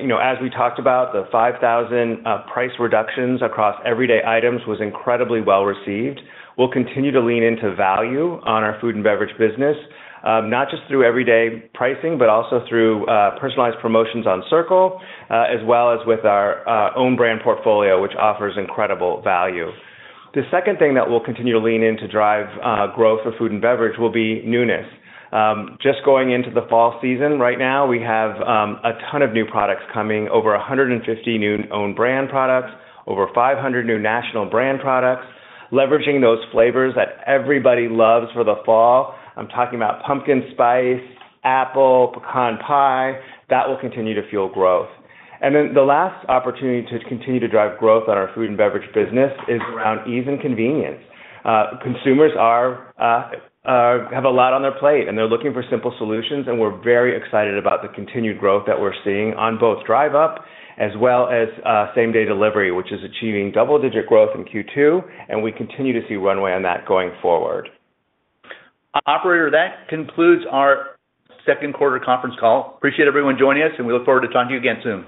You know, as we talked about, the 5,000 price reductions across everyday items was incredibly well received. We'll continue to lean into value on our food and beverage business, not just through everyday pricing, but also through personalized promotions on Circle, as well as with our own brand portfolio, which offers incredible value. The second thing that we'll continue to lean in to drive growth for food and beverage will be newness. Just going into the fall season right now, we have a ton of new products coming, over a hundred and fifty new own brand products, over five hundred new national brand products, leveraging those flavors that everybody loves for the fall. I'm talking about pumpkin spice, apple, pecan pie. That will continue to fuel growth. And then the last opportunity to continue to drive growth on our food and beverage business is around ease and convenience. Consumers have a lot on their plate, and they're looking for simple solutions, and we're very excited about the continued growth that we're seeing on both Drive Up as well as same-day delivery, which is achieving double-digit growth in Q2, and we continue to see runway on that going forward. Operator, that concludes our second quarter conference call. Appreciate everyone joining us, and we look forward to talking to you again soon.